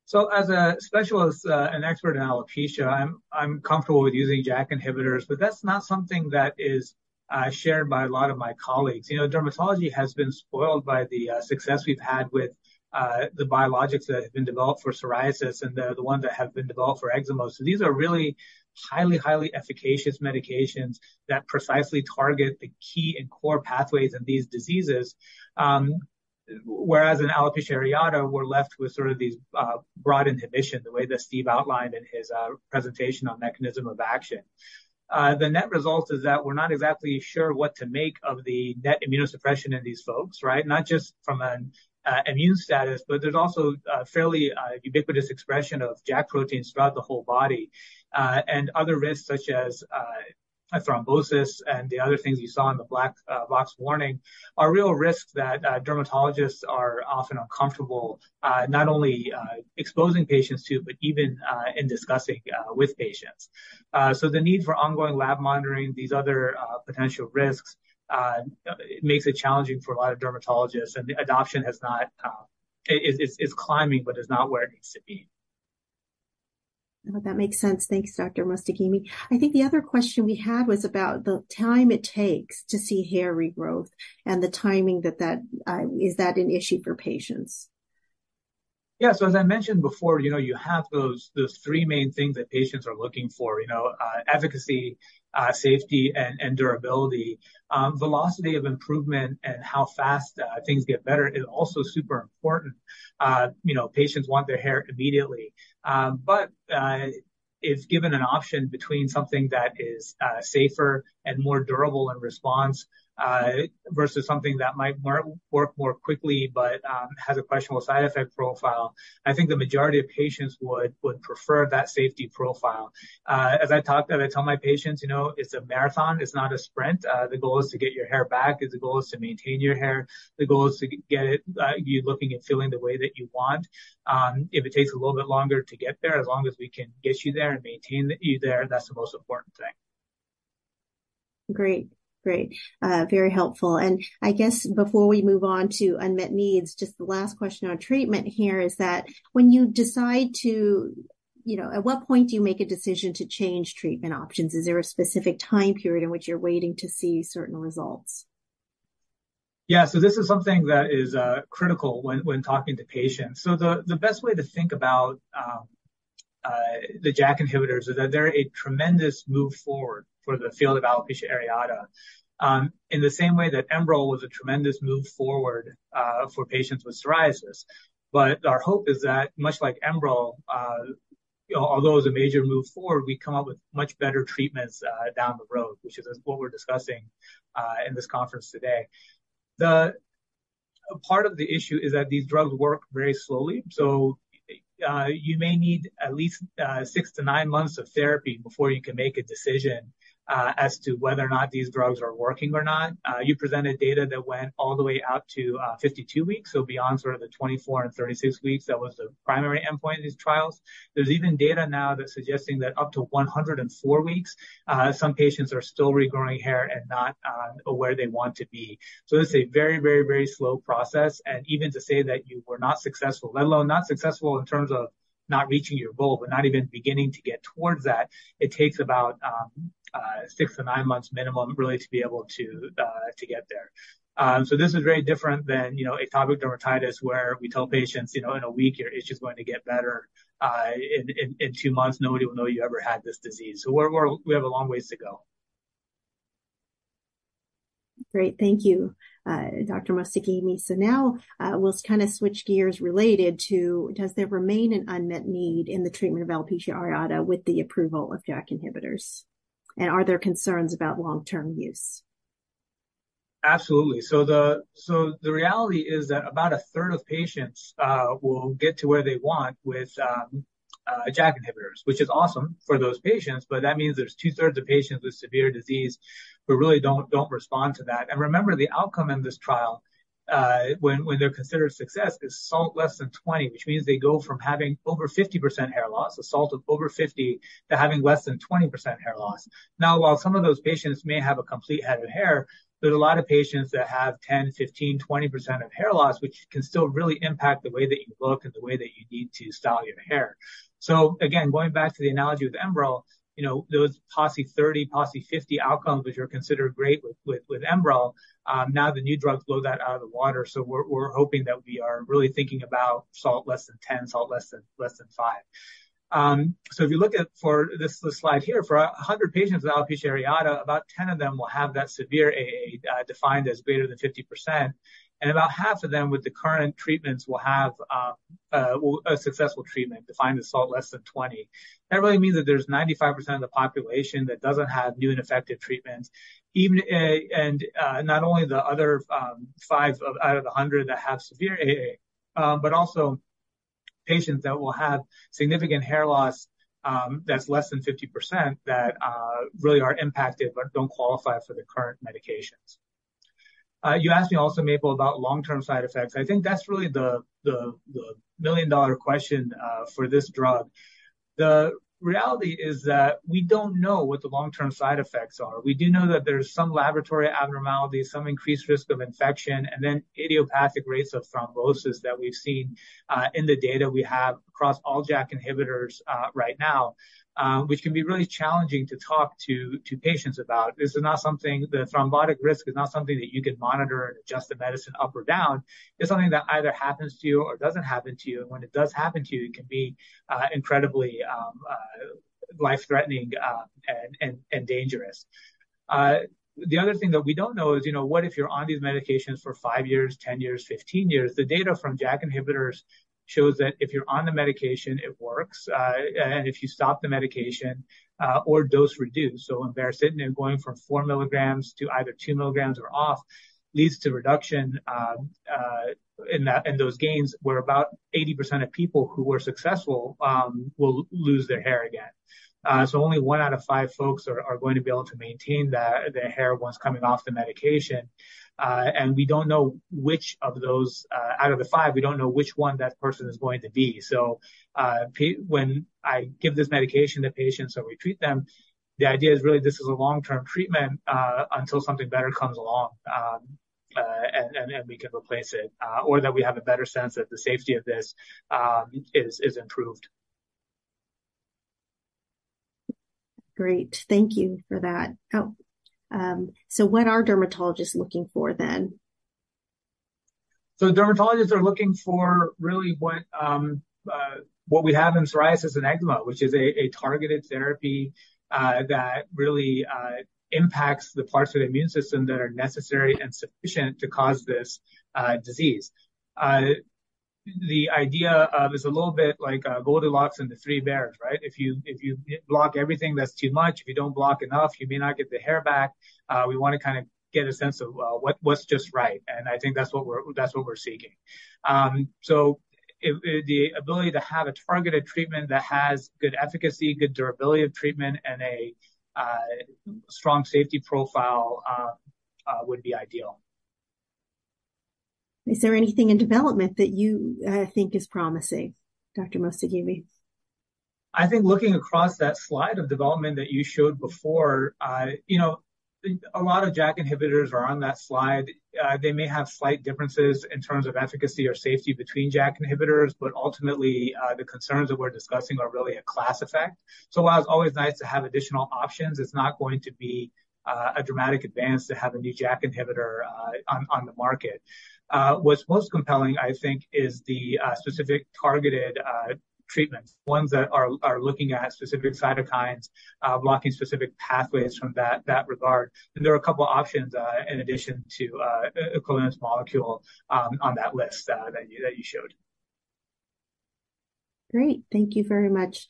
So as a specialist and expert in alopecia, I'm comfortable with using JAK inhibitors, but that's not something that is shared by a lot of my colleagues. You know, dermatology has been spoiled by the success we've had with the biologics that have been developed for psoriasis and the ones that have been developed for eczema. So these are really highly, highly efficacious medications that precisely target the key and core pathways in these diseases. Whereas in alopecia areata, we're left with sort of these broad inhibition, the way that Stephen outlined in his presentation on mechanism of action. The net result is that we're not exactly sure what to make of the net immunosuppression in these folks, right? Not just from an immune status, but there's also a fairly ubiquitous expression of JAK proteins throughout the whole body. And other risks, such as, thrombosis and the other things you saw in the black box warning, are real risks that dermatologists are often uncomfortable not only exposing patients to, but even in discussing with patients. So the need for ongoing lab monitoring, these other potential risks, makes it challenging for a lot of dermatologists. And adoption has not, it's climbing, but it's not where it needs to be. Well, that makes sense. Thanks, Dr. Mostaghimi. I think the other question we had was about the time it takes to see hair regrowth and the timing. Is that an issue for patients? Yeah, so as I mentioned before, you know, you have those, those three main things that patients are looking for, you know, efficacy, safety, and durability. Velocity of improvement and how fast things get better is also super important. You know, patients want their hair immediately. But if given an option between something that is safer and more durable in response versus something that might work more quickly but has a questionable side effect profile, I think the majority of patients would prefer that safety profile. As I tell my patients, "You know, it's a marathon, it's not a sprint. The goal is to get your hair back, the goal is to maintain your hair. The goal is to get you looking and feeling the way that you want. If it takes a little bit longer to get there, as long as we can get you there and maintain you there, that's the most important thing. Great. Great, very helpful. I guess before we move on to unmet needs, just the last question on treatment here is that when you decide to, you know, at what point do you make a decision to change treatment options? Is there a specific time period in which you're waiting to see certain results?... Yeah, so this is something that is critical when talking to patients. So the best way to think about the JAK inhibitors is that they're a tremendous move forward for the field of alopecia areata. In the same way that Enbrel was a tremendous move forward for patients with psoriasis. But our hope is that much like Enbrel, you know, although it was a major move forward, we come up with much better treatments down the road, which is what we're discussing in this conference today. The part of the issue is that these drugs work very slowly, so you may need at least 6-9 months of therapy before you can make a decision as to whether or not these drugs are working or not. You presented data that went all the way out to 52 weeks, so beyond sort of the 24 and 36 weeks, that was the primary endpoint of these trials. There's even data now that's suggesting that up to 104 weeks, some patients are still regrowing hair and not where they want to be. So it's a very, very, very slow process. Even to say that you were not successful, let alone not successful in terms of not reaching your goal, but not even beginning to get towards that, it takes about 6-9 months minimum, really, to be able to get there. So this is very different than, you know, atopic dermatitis, where we tell patients, you know, "In a week, your itch is going to get better. In two months, nobody will know you ever had this disease. So we're—we have a long ways to go. Great. Thank you, Dr. Mostaghimi. So now, we'll kind of switch gears related to, does there remain an unmet need in the treatment of alopecia areata with the approval of JAK inhibitors? And are there concerns about long-term use? Absolutely. So the reality is that about a third of patients will get to where they want with JAK inhibitors, which is awesome for those patients, but that means there's two-thirds of patients with severe disease who really don't respond to that. And remember, the outcome in this trial, when they're considered a success, is SALT less than 20, which means they go from having over 50% hair loss, a SALT of over 50, to having less than 20% hair loss. Now, while some of those patients may have a complete head of hair, there's a lot of patients that have 10, 15, 20% of hair loss, which can still really impact the way that you look and the way that you need to style your hair. So again, going back to the analogy with Enbrel, you know, those PASI 30, PASI 50 outcomes, which are considered great with Enbrel, now the new drugs blow that out of the water. So we're hoping that we are really thinking about SALT less than 10, SALT less than 5. So if you look at for this slide here, for 100 patients with alopecia areata, about 10 of them will have that severe AA, defined as greater than 50%, and about half of them, with the current treatments, will have a successful treatment, defined as SALT less than 20. That really means that there's 95% of the population that doesn't have new and effective treatments, even a... Not only the other 5 out of the 100 that have severe AA, but also patients that will have significant hair loss that's less than 50%, that really are impacted but don't qualify for the current medications. You asked me also, Maple, about long-term side effects. I think that's really the million-dollar question for this drug. The reality is that we don't know what the long-term side effects are. We do know that there's some laboratory abnormalities, some increased risk of infection, and then idiopathic rates of thrombosis that we've seen in the data we have across all JAK inhibitors right now, which can be really challenging to talk to patients about. This is not something. The thrombotic risk is not something that you can monitor and adjust the medicine up or down. It's something that either happens to you or doesn't happen to you, and when it does happen to you, it can be incredibly life-threatening and dangerous. The other thing that we don't know is, you know, what if you're on these medications for 5 years, 10 years, 15 years? The data from JAK inhibitors shows that if you're on the medication, it works. And if you stop the medication or dose reduce, so when baricitinib, going from 4 milligrams to either 2 milligrams or off, leads to reduction in that, in those gains, where about 80% of people who were successful will lose their hair again. So only 1 out of 5 folks are going to be able to maintain that, their hair once coming off the medication. And we don't know which of those out of the five, we don't know which one that person is going to be. When I give this medication to patients and we treat them, the idea is really, this is a long-term treatment until something better comes along, and we can replace it. Or that we have a better sense that the safety of this is improved. Great, thank you for that. Oh, so what are dermatologists looking for then? So dermatologists are looking for really what, what we have in psoriasis and eczema, which is a, a targeted therapy, that really, impacts the parts of the immune system that are necessary and sufficient to cause this, disease. The idea, is a little bit like, Goldilocks and the Three Bears, right? If you, if you block everything, that's too much. If you don't block enough, you may not get the hair back. We wanna kind of get a sense of, well, what, what's just right? And I think that's what we're, that's what we're seeking. So if, if the ability to have a targeted treatment that has good efficacy, good durability of treatment, and a, strong safety profile, would be ideal. Is there anything in development that you think is promising, Dr. Mostaghimi?... I think looking across that slide of development that you showed before, you know, a lot of JAK inhibitors are on that slide. They may have slight differences in terms of efficacy or safety between JAK inhibitors, but ultimately, the concerns that we're discussing are really a class effect. So while it's always nice to have additional options, it's not going to be a dramatic advance to have a new JAK inhibitor on the market. What's most compelling, I think, is the specific targeted treatments, ones that are looking at specific cytokines, blocking specific pathways from that regard. And there are a couple options in addition to Colina's molecule on that list that you showed. Great. Thank you very much.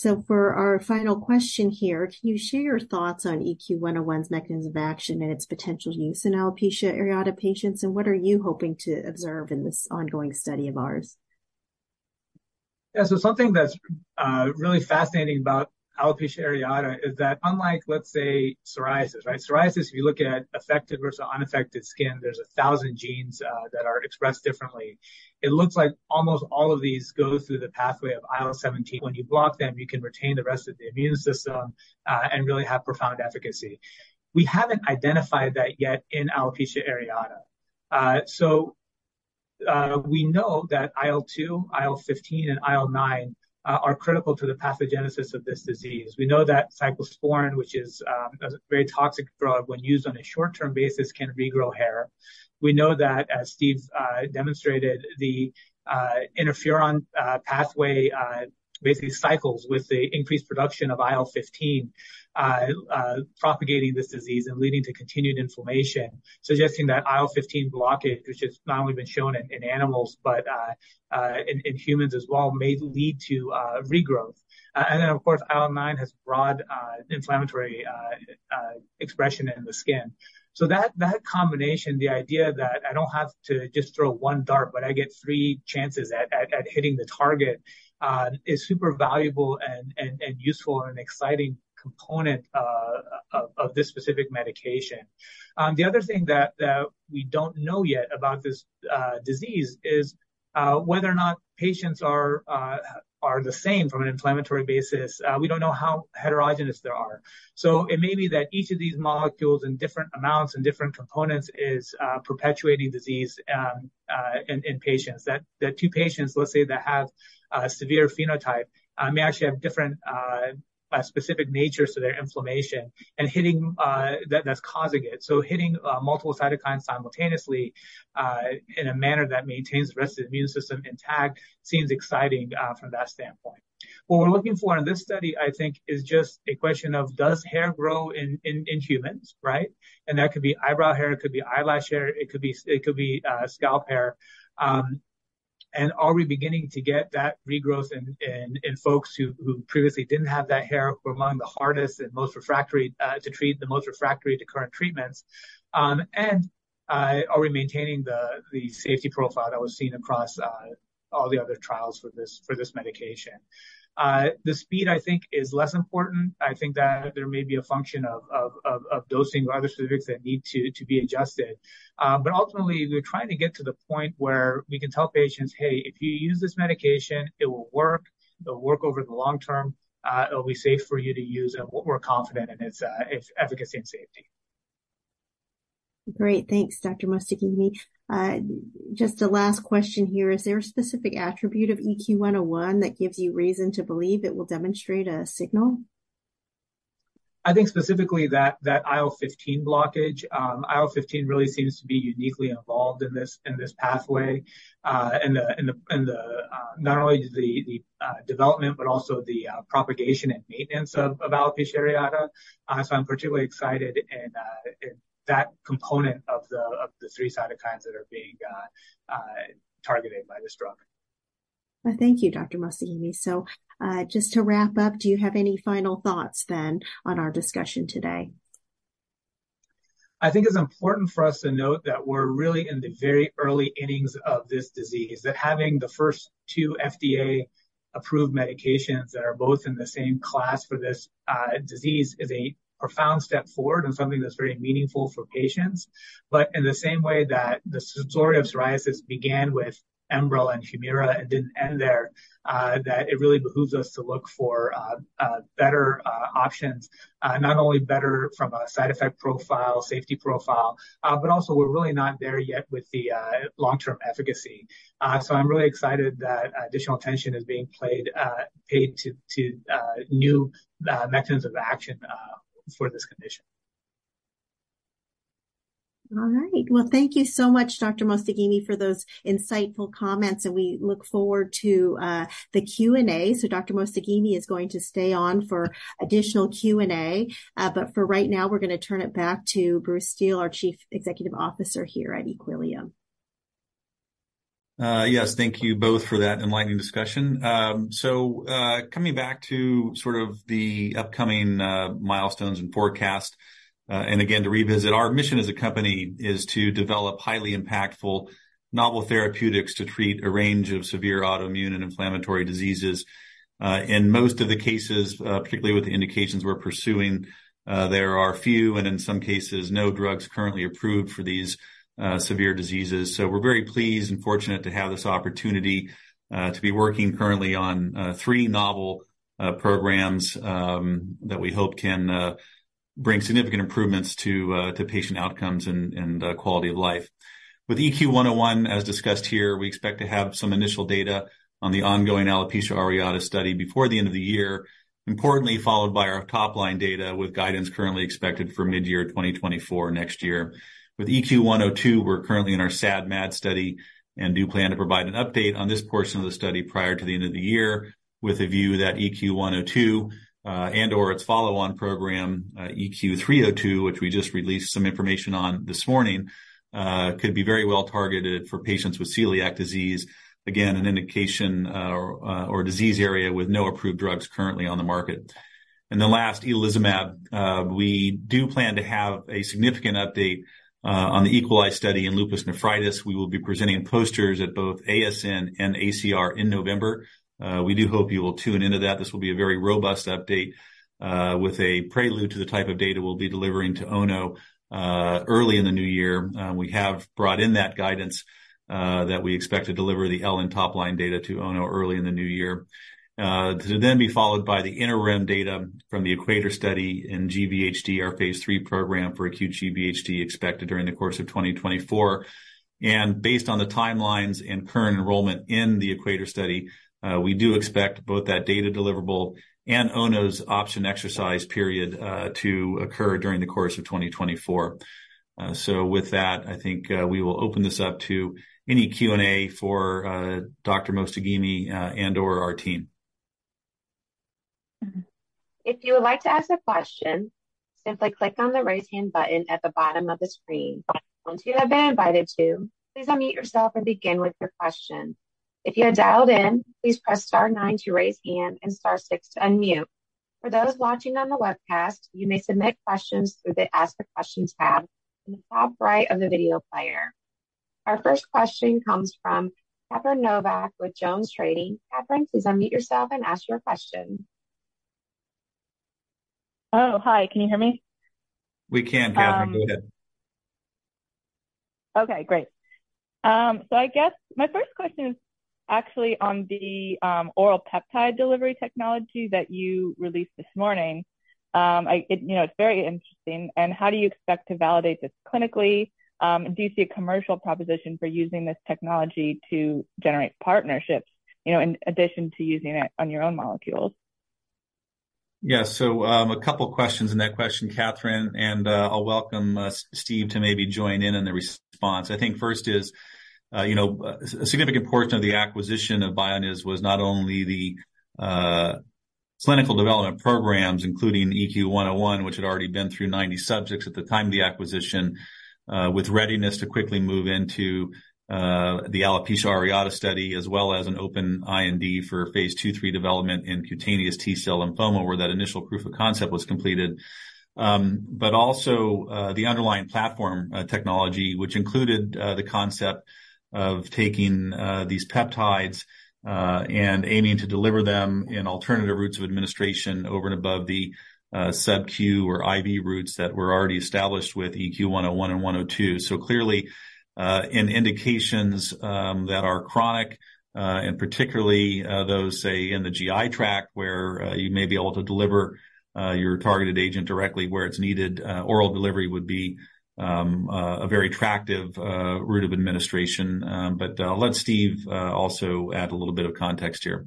So for our final question here, can you share your thoughts on EQ101's mechanism of action and its potential use in alopecia areata patients, and what are you hoping to observe in this ongoing study of ours? Yeah. So something that's really fascinating about alopecia areata is that unlike, let's say, psoriasis, right? Psoriasis, if you look at affected versus unaffected skin, there's 1,000 genes that are expressed differently. It looks like almost all of these go through the pathway of IL-17. When you block them, you can retain the rest of the immune system and really have profound efficacy. We haven't identified that yet in alopecia areata. So we know that IL-2, IL-15, and IL-9 are critical to the pathogenesis of this disease. We know that cyclosporine, which is a very toxic drug when used on a short-term basis, can regrow hair. We know that as Stephen's demonstrated, the interferon pathway basically cycles with the increased production of IL-15, propagating this disease and leading to continued inflammation, suggesting that IL-15 blockage, which has not only been shown in animals, but in humans as well, may lead to regrowth. And then, of course, IL-9 has broad inflammatory expression in the skin. So that combination, the idea that I don't have to just throw one dart, but I get three chances at hitting the target, is super valuable and useful and an exciting component of this specific medication. The other thing that we don't know yet about this disease is whether or not patients are the same from an inflammatory basis. We don't know how heterogeneous they are. So it may be that each of these molecules in different amounts and different components is perpetuating disease in patients. That two patients, let's say, that have a severe phenotype may actually have different specific natures to their inflammation and hitting that's causing it. So hitting multiple cytokines simultaneously in a manner that maintains the rest of the immune system intact seems exciting from that standpoint. What we're looking for in this study, I think, is just a question of, does hair grow in humans, right? And that could be eyebrow hair, it could be eyelash hair, it could be, it could be scalp hair. And are we beginning to get that regrowth in folks who previously didn't have that hair, who are among the hardest and most refractory to treat, the most refractory to current treatments? Are we maintaining the safety profile that was seen across all the other trials for this medication? The speed, I think, is less important. I think that there may be a function of dosing or other specifics that need to be adjusted. But ultimately, we're trying to get to the point where we can tell patients, "Hey, if you use this medication, it will work. It'll work over the long term. It'll be safe for you to use, and we're confident in its efficacy and safety. Great. Thanks, Dr. Mostaghimi. Just a last question here. Is there a specific attribute of EQ101 that gives you reason to believe it will demonstrate a signal? I think specifically that IL-15 blockage. IL-15 really seems to be uniquely involved in this pathway, not only the development, but also the propagation and maintenance of alopecia areata. So I'm particularly excited in that component of the three cytokines that are being targeted by this drug. Well, thank you, Dr. Mostaghimi. So, just to wrap up, do you have any final thoughts then on our discussion today? I think it's important for us to note that we're really in the very early innings of this disease, that having the first two FDA-approved medications that are both in the same class for this disease is a profound step forward and something that's very meaningful for patients. But in the same way that the story of psoriasis began with Enbrel and Humira and didn't end there, that it really behooves us to look for better options. Not only better from a side effect profile, safety profile, but also we're really not there yet with the long-term efficacy. So I'm really excited that additional attention is being paid to new mechanisms of action for this condition. All right. Well, thank you so much, Dr. Mostaghimi, for those insightful comments, and we look forward to the Q&A. Dr. Mostaghimi is going to stay on for additional Q&A. For right now, we're gonna turn it back to Bruce Steel, our Chief Executive Officer here at Equillium. Yes. Thank you both for that enlightening discussion. So, coming back to sort of the upcoming milestones and forecast, and again, to revisit, our mission as a company is to develop highly impactful novel therapeutics to treat a range of severe autoimmune and inflammatory diseases. In most of the cases, particularly with the indications we're pursuing, there are few, and in some cases, no drugs currently approved for these severe diseases. So we're very pleased and fortunate to have this opportunity to be working currently on three novel programs that we hope can bring significant improvements to patient outcomes and quality of life. With EQ101, as discussed here, we expect to have some initial data on the ongoing alopecia areata study before the end of the year. Importantly, followed by our top-line data, with guidance currently expected for mid-year 2024 next year. With EQ102, we're currently in our SAD/MAD study and do plan to provide an update on this portion of the study prior to the end of the year, with a view that EQ102 and/or its follow-on program EQ302, which we just released some information on this morning, could be very well targeted for patients with celiac disease. Again, an indication or, or a disease area with no approved drugs currently on the market. And itolizumab, we do plan to have a significant update on the EQUALISE study in lupus nephritis. We will be presenting posters at both ASN and ACR in November. We do hope you will tune into that. This will be a very robust update, with a prelude to the type of data we'll be delivering to Ono early in the new year. We have brought in that guidance that we expect to deliver the LN top-line data to Ono early in the new year. To then be followed by the interim data from the EQUATOR study in GVHD, our Phase 3 program for acute GVHD, expected during the course of 2024. Based on the timelines and current enrollment in the EQUATOR study, we do expect both that data deliverable and Ono's option exercise period to occur during the course of 2024. So with that, I think, we will open this up to any Q&A for Dr. Mostaghimi and/or our team. If you would like to ask a question, simply click on the Raise Hand button at the bottom of the screen. Once you have been invited to, please unmute yourself and begin with your question. If you are dialed in, please press star nine to raise hand and star six to unmute. For those watching on the webcast, you may submit questions through the Ask a Question tab in the top right of the video player. Our first question comes from Catherine Novack with Jones Trading. Catherine, please unmute yourself and ask your question. Oh, hi, can you hear me? We can, Catherine. Go ahead. Okay, great. I guess my first question is actually on the oral peptide delivery technology that you released this morning. You know, it's very interesting. How do you expect to validate this clinically? Do you see a commercial proposition for using this technology to generate partnerships, you know, in addition to using it on your own molecules? Yes, so, a couple questions in that question, Catherine, and, I'll welcome, Stephen to maybe join in on the response. I think first is, you know, a significant portion of the acquisition of Bioniz was not only the, clinical development programs, including EQ101, which had already been through 90 subjects at the time of the acquisition. With readiness to quickly move into, the alopecia areata study, as well as an open IND for phase 2/3 development in cutaneous T-cell lymphoma, where that initial proof of concept was completed. But also, the underlying platform, technology, which included, the concept of taking, these peptides, and aiming to deliver them in alternative routes of administration over and above the, sub-Q or IV routes that were already established with EQ101 and EQ102. So clearly, in indications that are chronic, and particularly those, say, in the GI tract, where you may be able to deliver your targeted agent directly where it's needed, oral delivery would be a very attractive route of administration. But let Stephen also add a little bit of context here.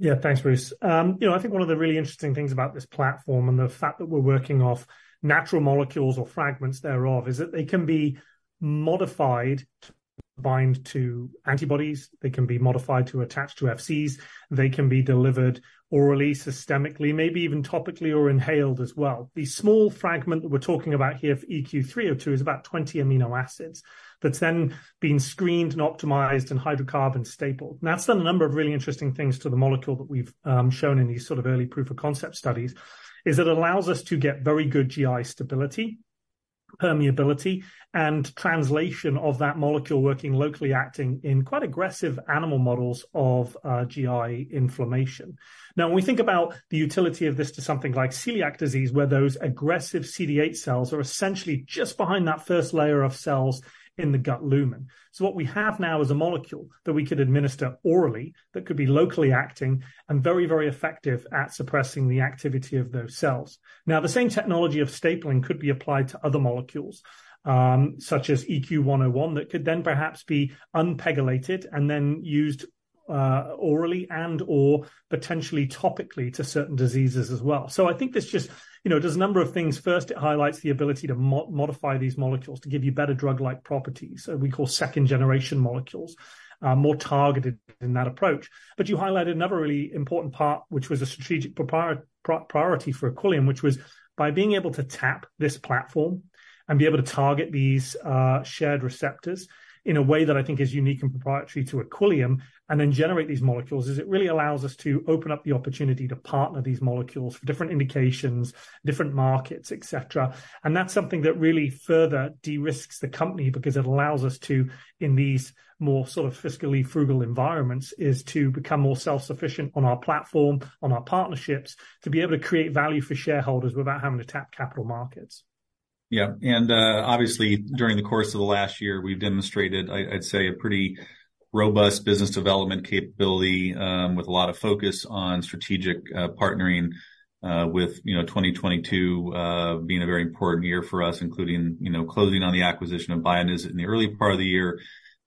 Yeah. Thanks, Bruce. You know, I think one of the really interesting things about this platform and the fact that we're working off natural molecules or fragments thereof, is that they can be modified to bind to antibodies. They can be modified to attach to Fcs. They can be delivered orally, systemically, maybe even topically or inhaled as well. The small fragment that we're talking about here for EQ302 is about 20 amino acids, that's then been screened and optimized and hydrocarbon stapled. That's done a number of really interesting things to the molecule that we've shown in these sort of early proof of concept studies, is it allows us to get very good GI stability, permeability, and translation of that molecule working locally, acting in quite aggressive animal models of GI inflammation. Now, when we think about the utility of this to something like celiac disease, where those aggressive CD8 cells are essentially just behind that first layer of cells in the gut lumen. So what we have now is a molecule that we could administer orally, that could be locally acting and very, very effective at suppressing the activity of those cells. Now, the same technology of stapling could be applied to other molecules, such as EQ101, that could then perhaps be unpegylated and then used, orally and/or potentially topically to certain diseases as well. So I think this just, you know, does a number of things. First, it highlights the ability to modify these molecules to give you better drug-like properties, so we call second-generation molecules, more targeted in that approach. But you highlighted another really important part, which was a strategic priority for Equillium, which was by being able to tap this platform and be able to target these shared receptors in a way that I think is unique and proprietary to Equillium, and then generate these molecules, it really allows us to open up the opportunity to partner these molecules for different indications, different markets, et cetera. And that's something that really further de-risks the company, because it allows us to, in these more sort of fiscally frugal environments, to become more self-sufficient on our platform, on our partnerships, to be able to create value for shareholders without having to tap capital markets.... Yeah, and, obviously, during the course of the last year, we've demonstrated, I, I'd say, a pretty robust business development capability, with a lot of focus on strategic, partnering, with, you know, 2022, being a very important year for us, including, you know, closing on the acquisition of Bioniz in the early part of the year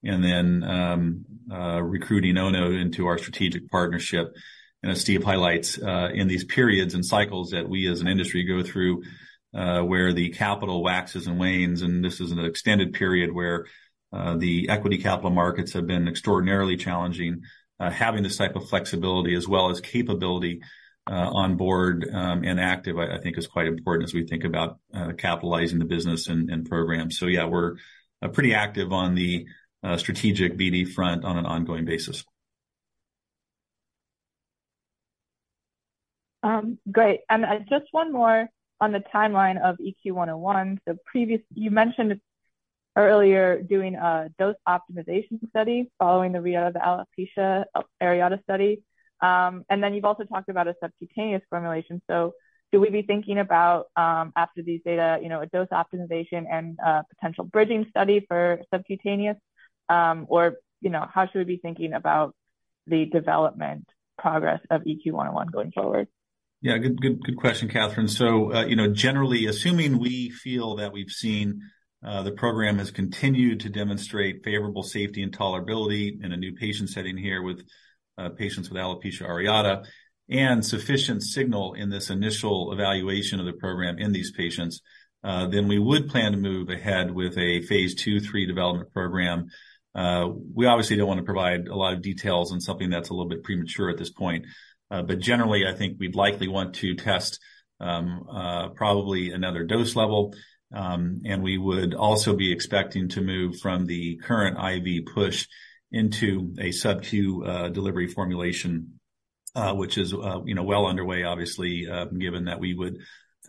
and then, recruiting Ono into our strategic partnership. And as Stephen highlights, in these periods and cycles that we as an industry go through, where the capital waxes and wanes, and this is an extended period where, the equity capital markets have been extraordinarily challenging. Having this type of flexibility as well as capability, on board, and active, I, I think is quite important as we think about, capitalizing the business and, and programs. So yeah, we're pretty active on the strategic BD front on an ongoing basis. Great. And, and just one more on the timeline of EQ101. So previously... You mentioned earlier doing a dose optimization study following the prior, the alopecia areata study. And then you've also talked about a subcutaneous formulation. So do we be thinking about, after these data, you know, a dose optimization and potential bridging study for subcutaneous? Or, you know, how should we be thinking about the development progress of EQ101 going forward? Yeah, good, good, good question, Kathryn. So, you know, generally, assuming we feel that we've seen the program has continued to demonstrate favorable safety and tolerability in a new patient setting here with patients with alopecia areata and sufficient signal in this initial evaluation of the program in these patients, then we would plan to move ahead with a phase 2/3 development program. We obviously don't want to provide a lot of details on something that's a little bit premature at this point, but generally, I think we'd likely want to test probably another dose level. We would also be expecting to move from the current IV push into a sub Q delivery formulation, which is, you know, well underway obviously, given that we would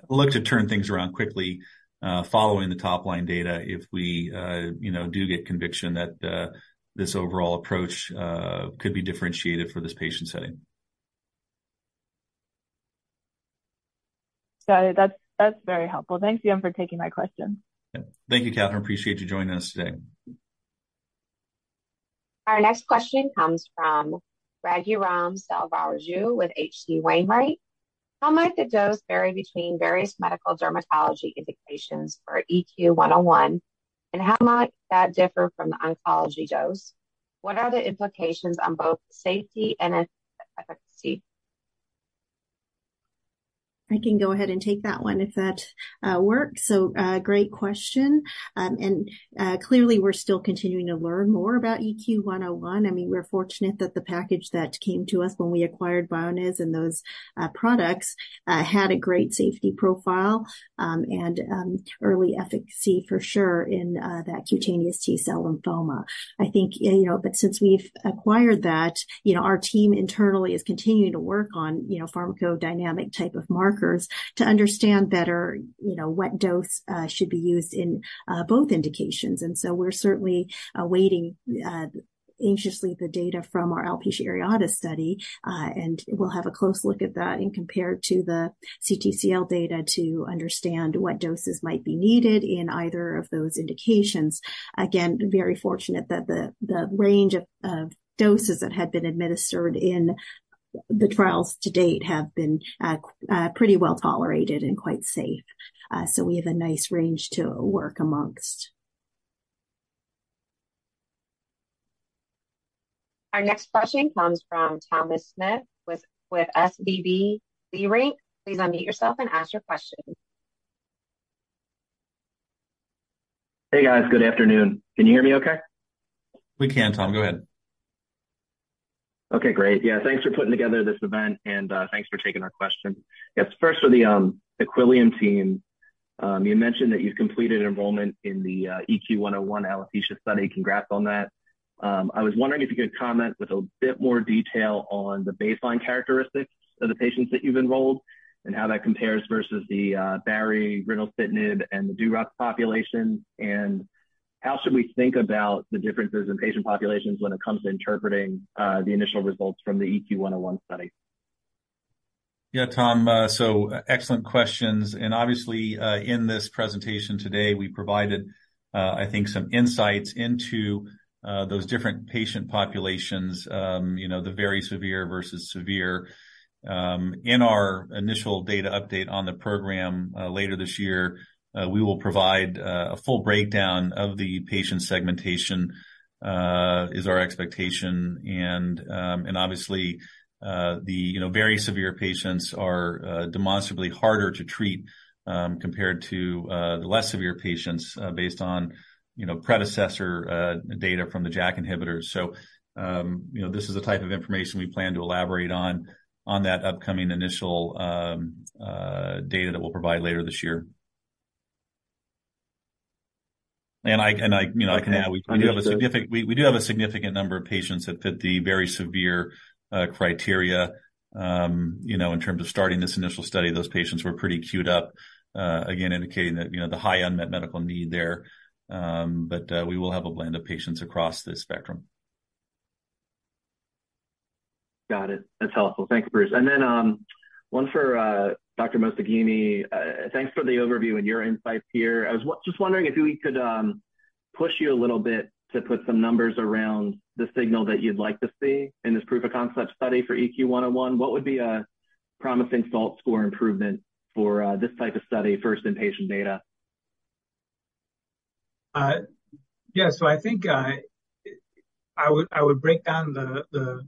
look to turn things around quickly, following the top-line data, if we, you know, do get conviction that this overall approach could be differentiated for this patient setting. Got it. That's very helpful. Thank you for taking my question. Yeah. Thank you, Kathryn. Appreciate you joining us today. Our next question comes from Raghuram Selvaraju with H.C. Wainwright. How might the dose vary between various medical dermatology indications for EQ101, and how might that differ from the oncology dose? What are the implications on both safety and efficacy? I can go ahead and take that one, if that works. So, great question. And clearly, we're still continuing to learn more about EQ101. I mean, we're fortunate that the package that came to us when we acquired Bioniz and those products had a great safety profile, and early efficacy for sure in that cutaneous T-cell lymphoma. I think, you know, but since we've acquired that, you know, our team internally is continuing to work on, you know, pharmacodynamic type of markers to understand better, you know, what dose should be used in both indications. And so we're certainly awaiting anxiously the data from our alopecia areata study, and we'll have a close look at that and compare it to the CTCL data to understand what doses might be needed in either of those indications. Again, very fortunate that the range of doses that had been administered in the trials to date have been pretty well tolerated and quite safe. So we have a nice range to work amongst. Our next question comes from Thomas Smith with SVB Leerink. Please unmute yourself and ask your question. Hey, guys. Good afternoon. Can you hear me okay? We can, Tom. Go ahead. Okay, great. Yeah, thanks for putting together this event, and thanks for taking our question. Yes, first for the Equillium team. You mentioned that you've completed enrollment in the EQ101 alopecia study. Congrats on that. I was wondering if you could comment with a bit more detail on the baseline characteristics of the patients that you've enrolled and how that compares versus the baricitinib and the deuruxolitinib population, and how should we think about the differences in patient populations when it comes to interpreting the initial results from the EQ101 study? Yeah, Tom, so excellent questions. And obviously, in this presentation today, we provided, I think, some insights into, those different patient populations, you know, the very severe versus severe. In our initial data update on the program, later this year, we will provide, a full breakdown of the patient segmentation, is our expectation. And, and obviously, the, you know, very severe patients are, demonstrably harder to treat, compared to, the less severe patients, based on, you know, predecessor, data from the JAK inhibitors. So, you know, this is the type of information we plan to elaborate on, on that upcoming initial, data that we'll provide later this year. I, you know, I can add, we do have a significant number of patients that fit the very severe criteria. You know, in terms of starting this initial study, those patients were pretty queued up, again, indicating that, you know, the high unmet medical need there. But we will have a blend of patients across the spectrum.... Got it. That's helpful. Thank you, Bruce. And then, one for Dr. Mostaghimi. Thanks for the overview and your insights here. I was just wondering if we could push you a little bit to put some numbers around the signal that you'd like to see in this proof-of-concept study for EQ101. What would be a promising SALT score improvement for this type of study, first in patient data? Yeah. So I think I would break down the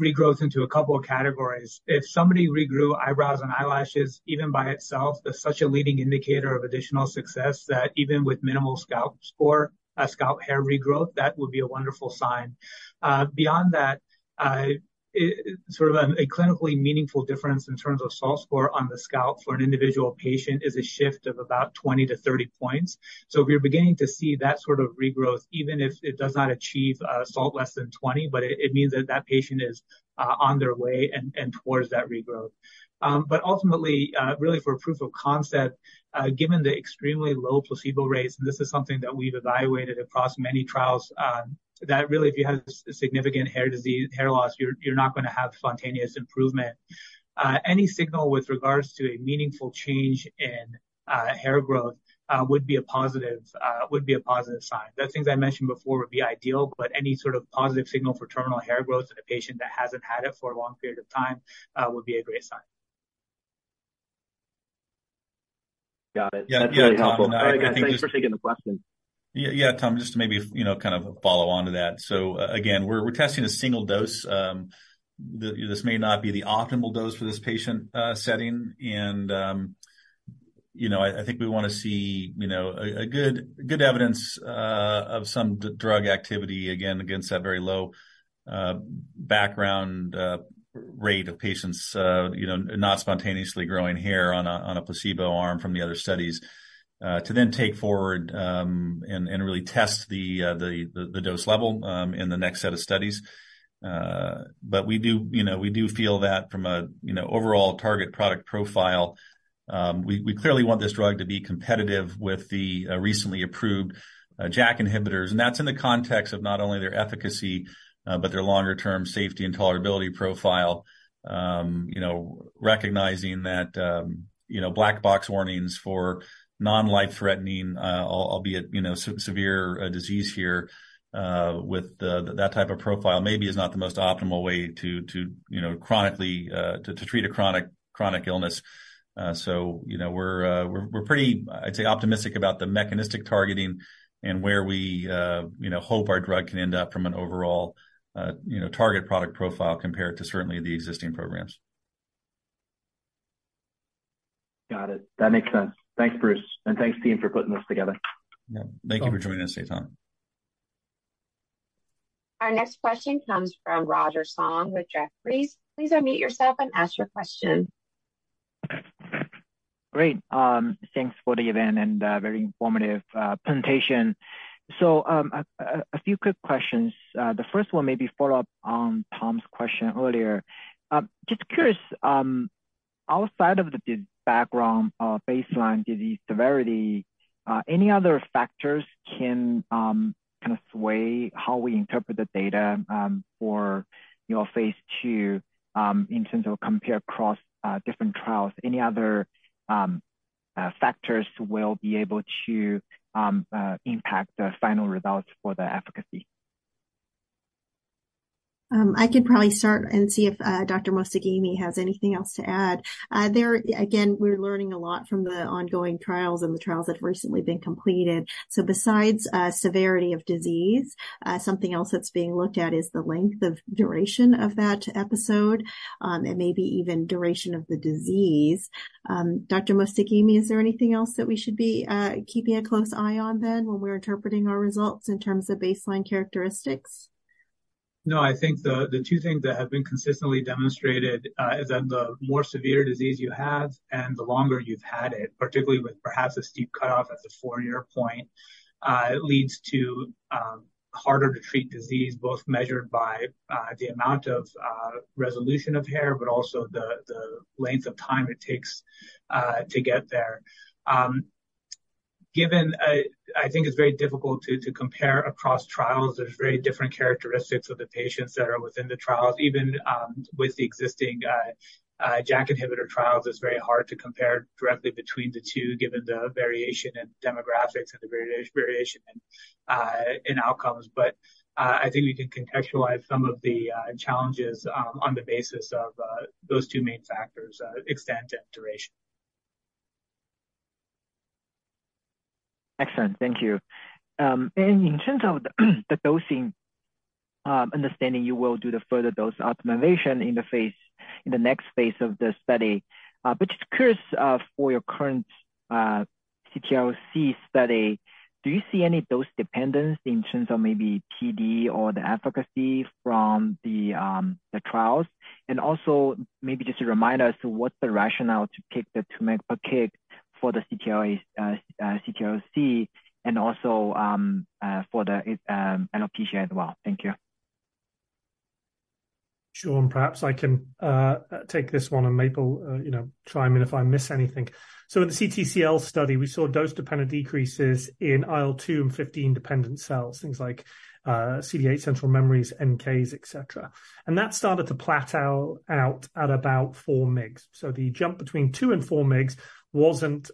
regrowth into a couple of categories. If somebody regrew eyebrows and eyelashes, even by itself, that's such a leading indicator of additional success, that even with minimal scalp score, a scalp hair regrowth, that would be a wonderful sign. Beyond that, sort of a clinically meaningful difference in terms of SALT score on the scalp for an individual patient is a shift of about 20-30 points. So if you're beginning to see that sort of regrowth, even if it does not achieve SALT less than 20, but it means that that patient is on their way and towards that regrowth. But ultimately, really for proof of concept, given the extremely low placebo rates, and this is something that we've evaluated across many trials, that really, if you have significant hair disease, hair loss, you're not going to have spontaneous improvement. Any signal with regards to a meaningful change in hair growth would be a positive sign. The things I mentioned before would be ideal, but any sort of positive signal for terminal hair growth in a patient that hasn't had it for a long period of time would be a great sign. Got it. Yeah, yeah, Tom- That's really helpful. Thanks for taking the question. Yeah, yeah, Tom, just to maybe, you know, kind of follow on to that. So again, we're, we're testing a single dose. This may not be the optimal dose for this patient setting. And, you know, I, I think we want to see, you know, a, a good, good evidence of some drug activity again, against that very low, background rate of patients, you know, not spontaneously growing hair on a, on a placebo arm from the other studies. To then take forward, and, and really test the, the, the dose level, in the next set of studies. But we do, you know, we do feel that from a, you know, overall target product profile, we, we clearly want this drug to be competitive with the, recently approved, JAK inhibitors. That's in the context of not only their efficacy, but their longer-term safety and tolerability profile. You know, recognizing that, you know, black box warnings for non-life-threatening, albeit, you know, severe disease here, with that type of profile, maybe is not the most optimal way to, you know, chronically to treat a chronic illness. So, you know, we're pretty, I'd say, optimistic about the mechanistic targeting and where we, you know, hope our drug can end up from an overall target product profile compared to certainly the existing programs. Got it. That makes sense. Thanks, Bruce. And thanks, team, for putting this together. Yeah. Thank you for joining us today, Tom. Our next question comes from Roger Song with Jefferies. Please unmute yourself and ask your question. Great. Thanks for the event and, very informative, presentation. A few quick questions. The first one maybe follow up on Tom's question earlier. Just curious, outside of the background, baseline disease severity, any other factors can, kind of sway how we interpret the data, for, you know, phase 2, in terms of compare across, different trials? Any other, factors will be able to, impact the final results for the efficacy? I could probably start and see if Dr. Mostaghimi has anything else to add. Again, we're learning a lot from the ongoing trials and the trials that have recently been completed. So besides severity of disease, something else that's being looked at is the length of duration of that episode, and maybe even duration of the disease. Dr. Mostaghimi, is there anything else that we should be keeping a close eye on then, when we're interpreting our results in terms of baseline characteristics? No, I think the two things that have been consistently demonstrated is that the more severe disease you have and the longer you've had it, particularly with perhaps a steep cutoff at the four-year point, it leads to harder to treat disease, both measured by the amount of resolution of hair, but also the length of time it takes to get there. Given, I think it's very difficult to compare across trials. There's very different characteristics of the patients that are within the trials. Even with the existing JAK inhibitor trials, it's very hard to compare directly between the two, given the variation in demographics and the variation in outcomes. But I think we can contextualize some of the challenges on the basis of those two main factors, extent and duration. Excellent. Thank you. And in terms of the dosing, understanding, you will do the further dose optimization in the phase, in the next phase of the study. But just curious, for your current CTCL study, do you see any dose dependence in terms of maybe PD or the efficacy from the trials? And also, maybe just to remind us, what's the rationale to keep the 2 mg per kg for the CTCL and also for the alopecia as well? Thank you.... Sure, and perhaps I can take this one, and Maple, you know, chime in if I miss anything. So in the CTCL study, we saw dose-dependent decreases in IL-2 and IL-15-dependent cells, things like CD8, central memories, NKs, et cetera. And that started to plateau out at about 4 mg. So the jump between 2 and 4 mg wasn't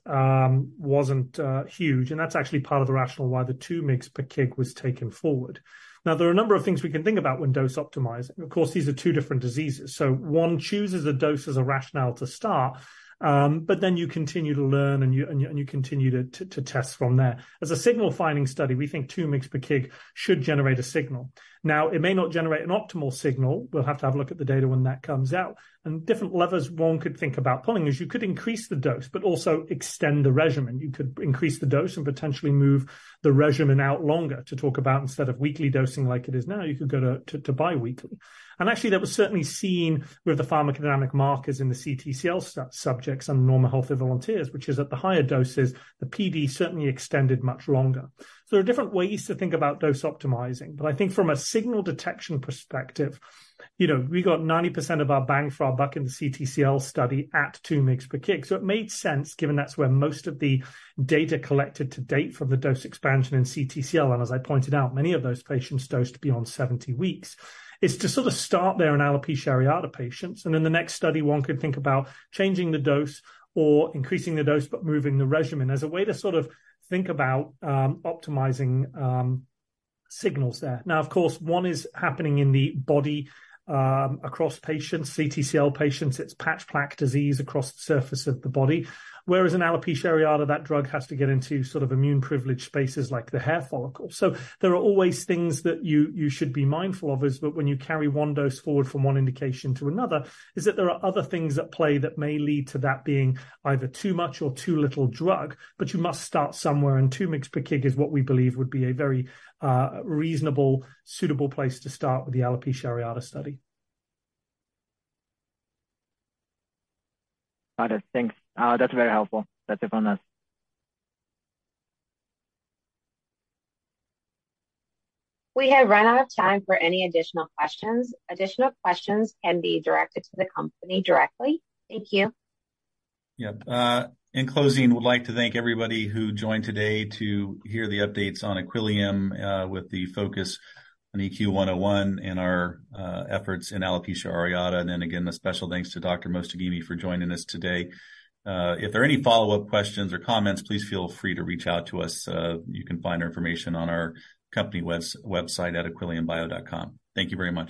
huge, and that's actually part of the rationale why the 2 mg per kg was taken forward. Now, there are a number of things we can think about when dose optimizing. Of course, these are two different diseases, so one chooses a dose as a rationale to start, but then you continue to learn, and you continue to test from there. As a signal finding study, we think 2 mg per kg should generate a signal. Now, it may not generate an optimal signal. We'll have to have a look at the data when that comes out, and different levers one could think about pulling is you could increase the dose but also extend the regimen. You could increase the dose and potentially move the regimen out longer. To talk about instead of weekly dosing like it is now, you could go to biweekly. And actually, that was certainly seen with the pharmacodynamic markers in the CTCL sub-subjects and normal healthy volunteers, which is at the higher doses, the PD certainly extended much longer. So there are different ways to think about dose optimizing, but I think from a signal detection perspective, you know, we got 90% of our bang for our buck in the CTCL study at 2 mg per kg. So it made sense, given that's where most of the data collected to date from the dose expansion in CTCL, and as I pointed out, many of those patients dosed beyond 70 weeks, is to sort of start there in alopecia areata patients. And in the next study, one could think about changing the dose or increasing the dose, but moving the regimen as a way to sort of think about optimizing signals there. Now, of course, one is happening in the body across patients, CTCL patients, it's patch plaque disease across the surface of the body, whereas in alopecia areata, that drug has to get into sort of immune-privileged spaces like the hair follicle. So there are always things that you should be mindful of, but when you carry one dose forward from one indication to another, there are other things at play that may lead to that being either too much or too little drug. But you must start somewhere, and 2 mgs per kg is what we believe would be a very, reasonable, suitable place to start with the alopecia areata study. Got it. Thanks. That's very helpful. That's it from us. We have run out of time for any additional questions. Additional questions can be directed to the company directly. Thank you. Yeah. In closing, we'd like to thank everybody who joined today to hear the updates on Equillium, with the focus on EQ-101 and our efforts in alopecia areata. And then again, a special thanks to Dr. Mostaghimi for joining us today. If there are any follow-up questions or comments, please feel free to reach out to us. You can find our information on our company website at equilliumbio.com. Thank you very much.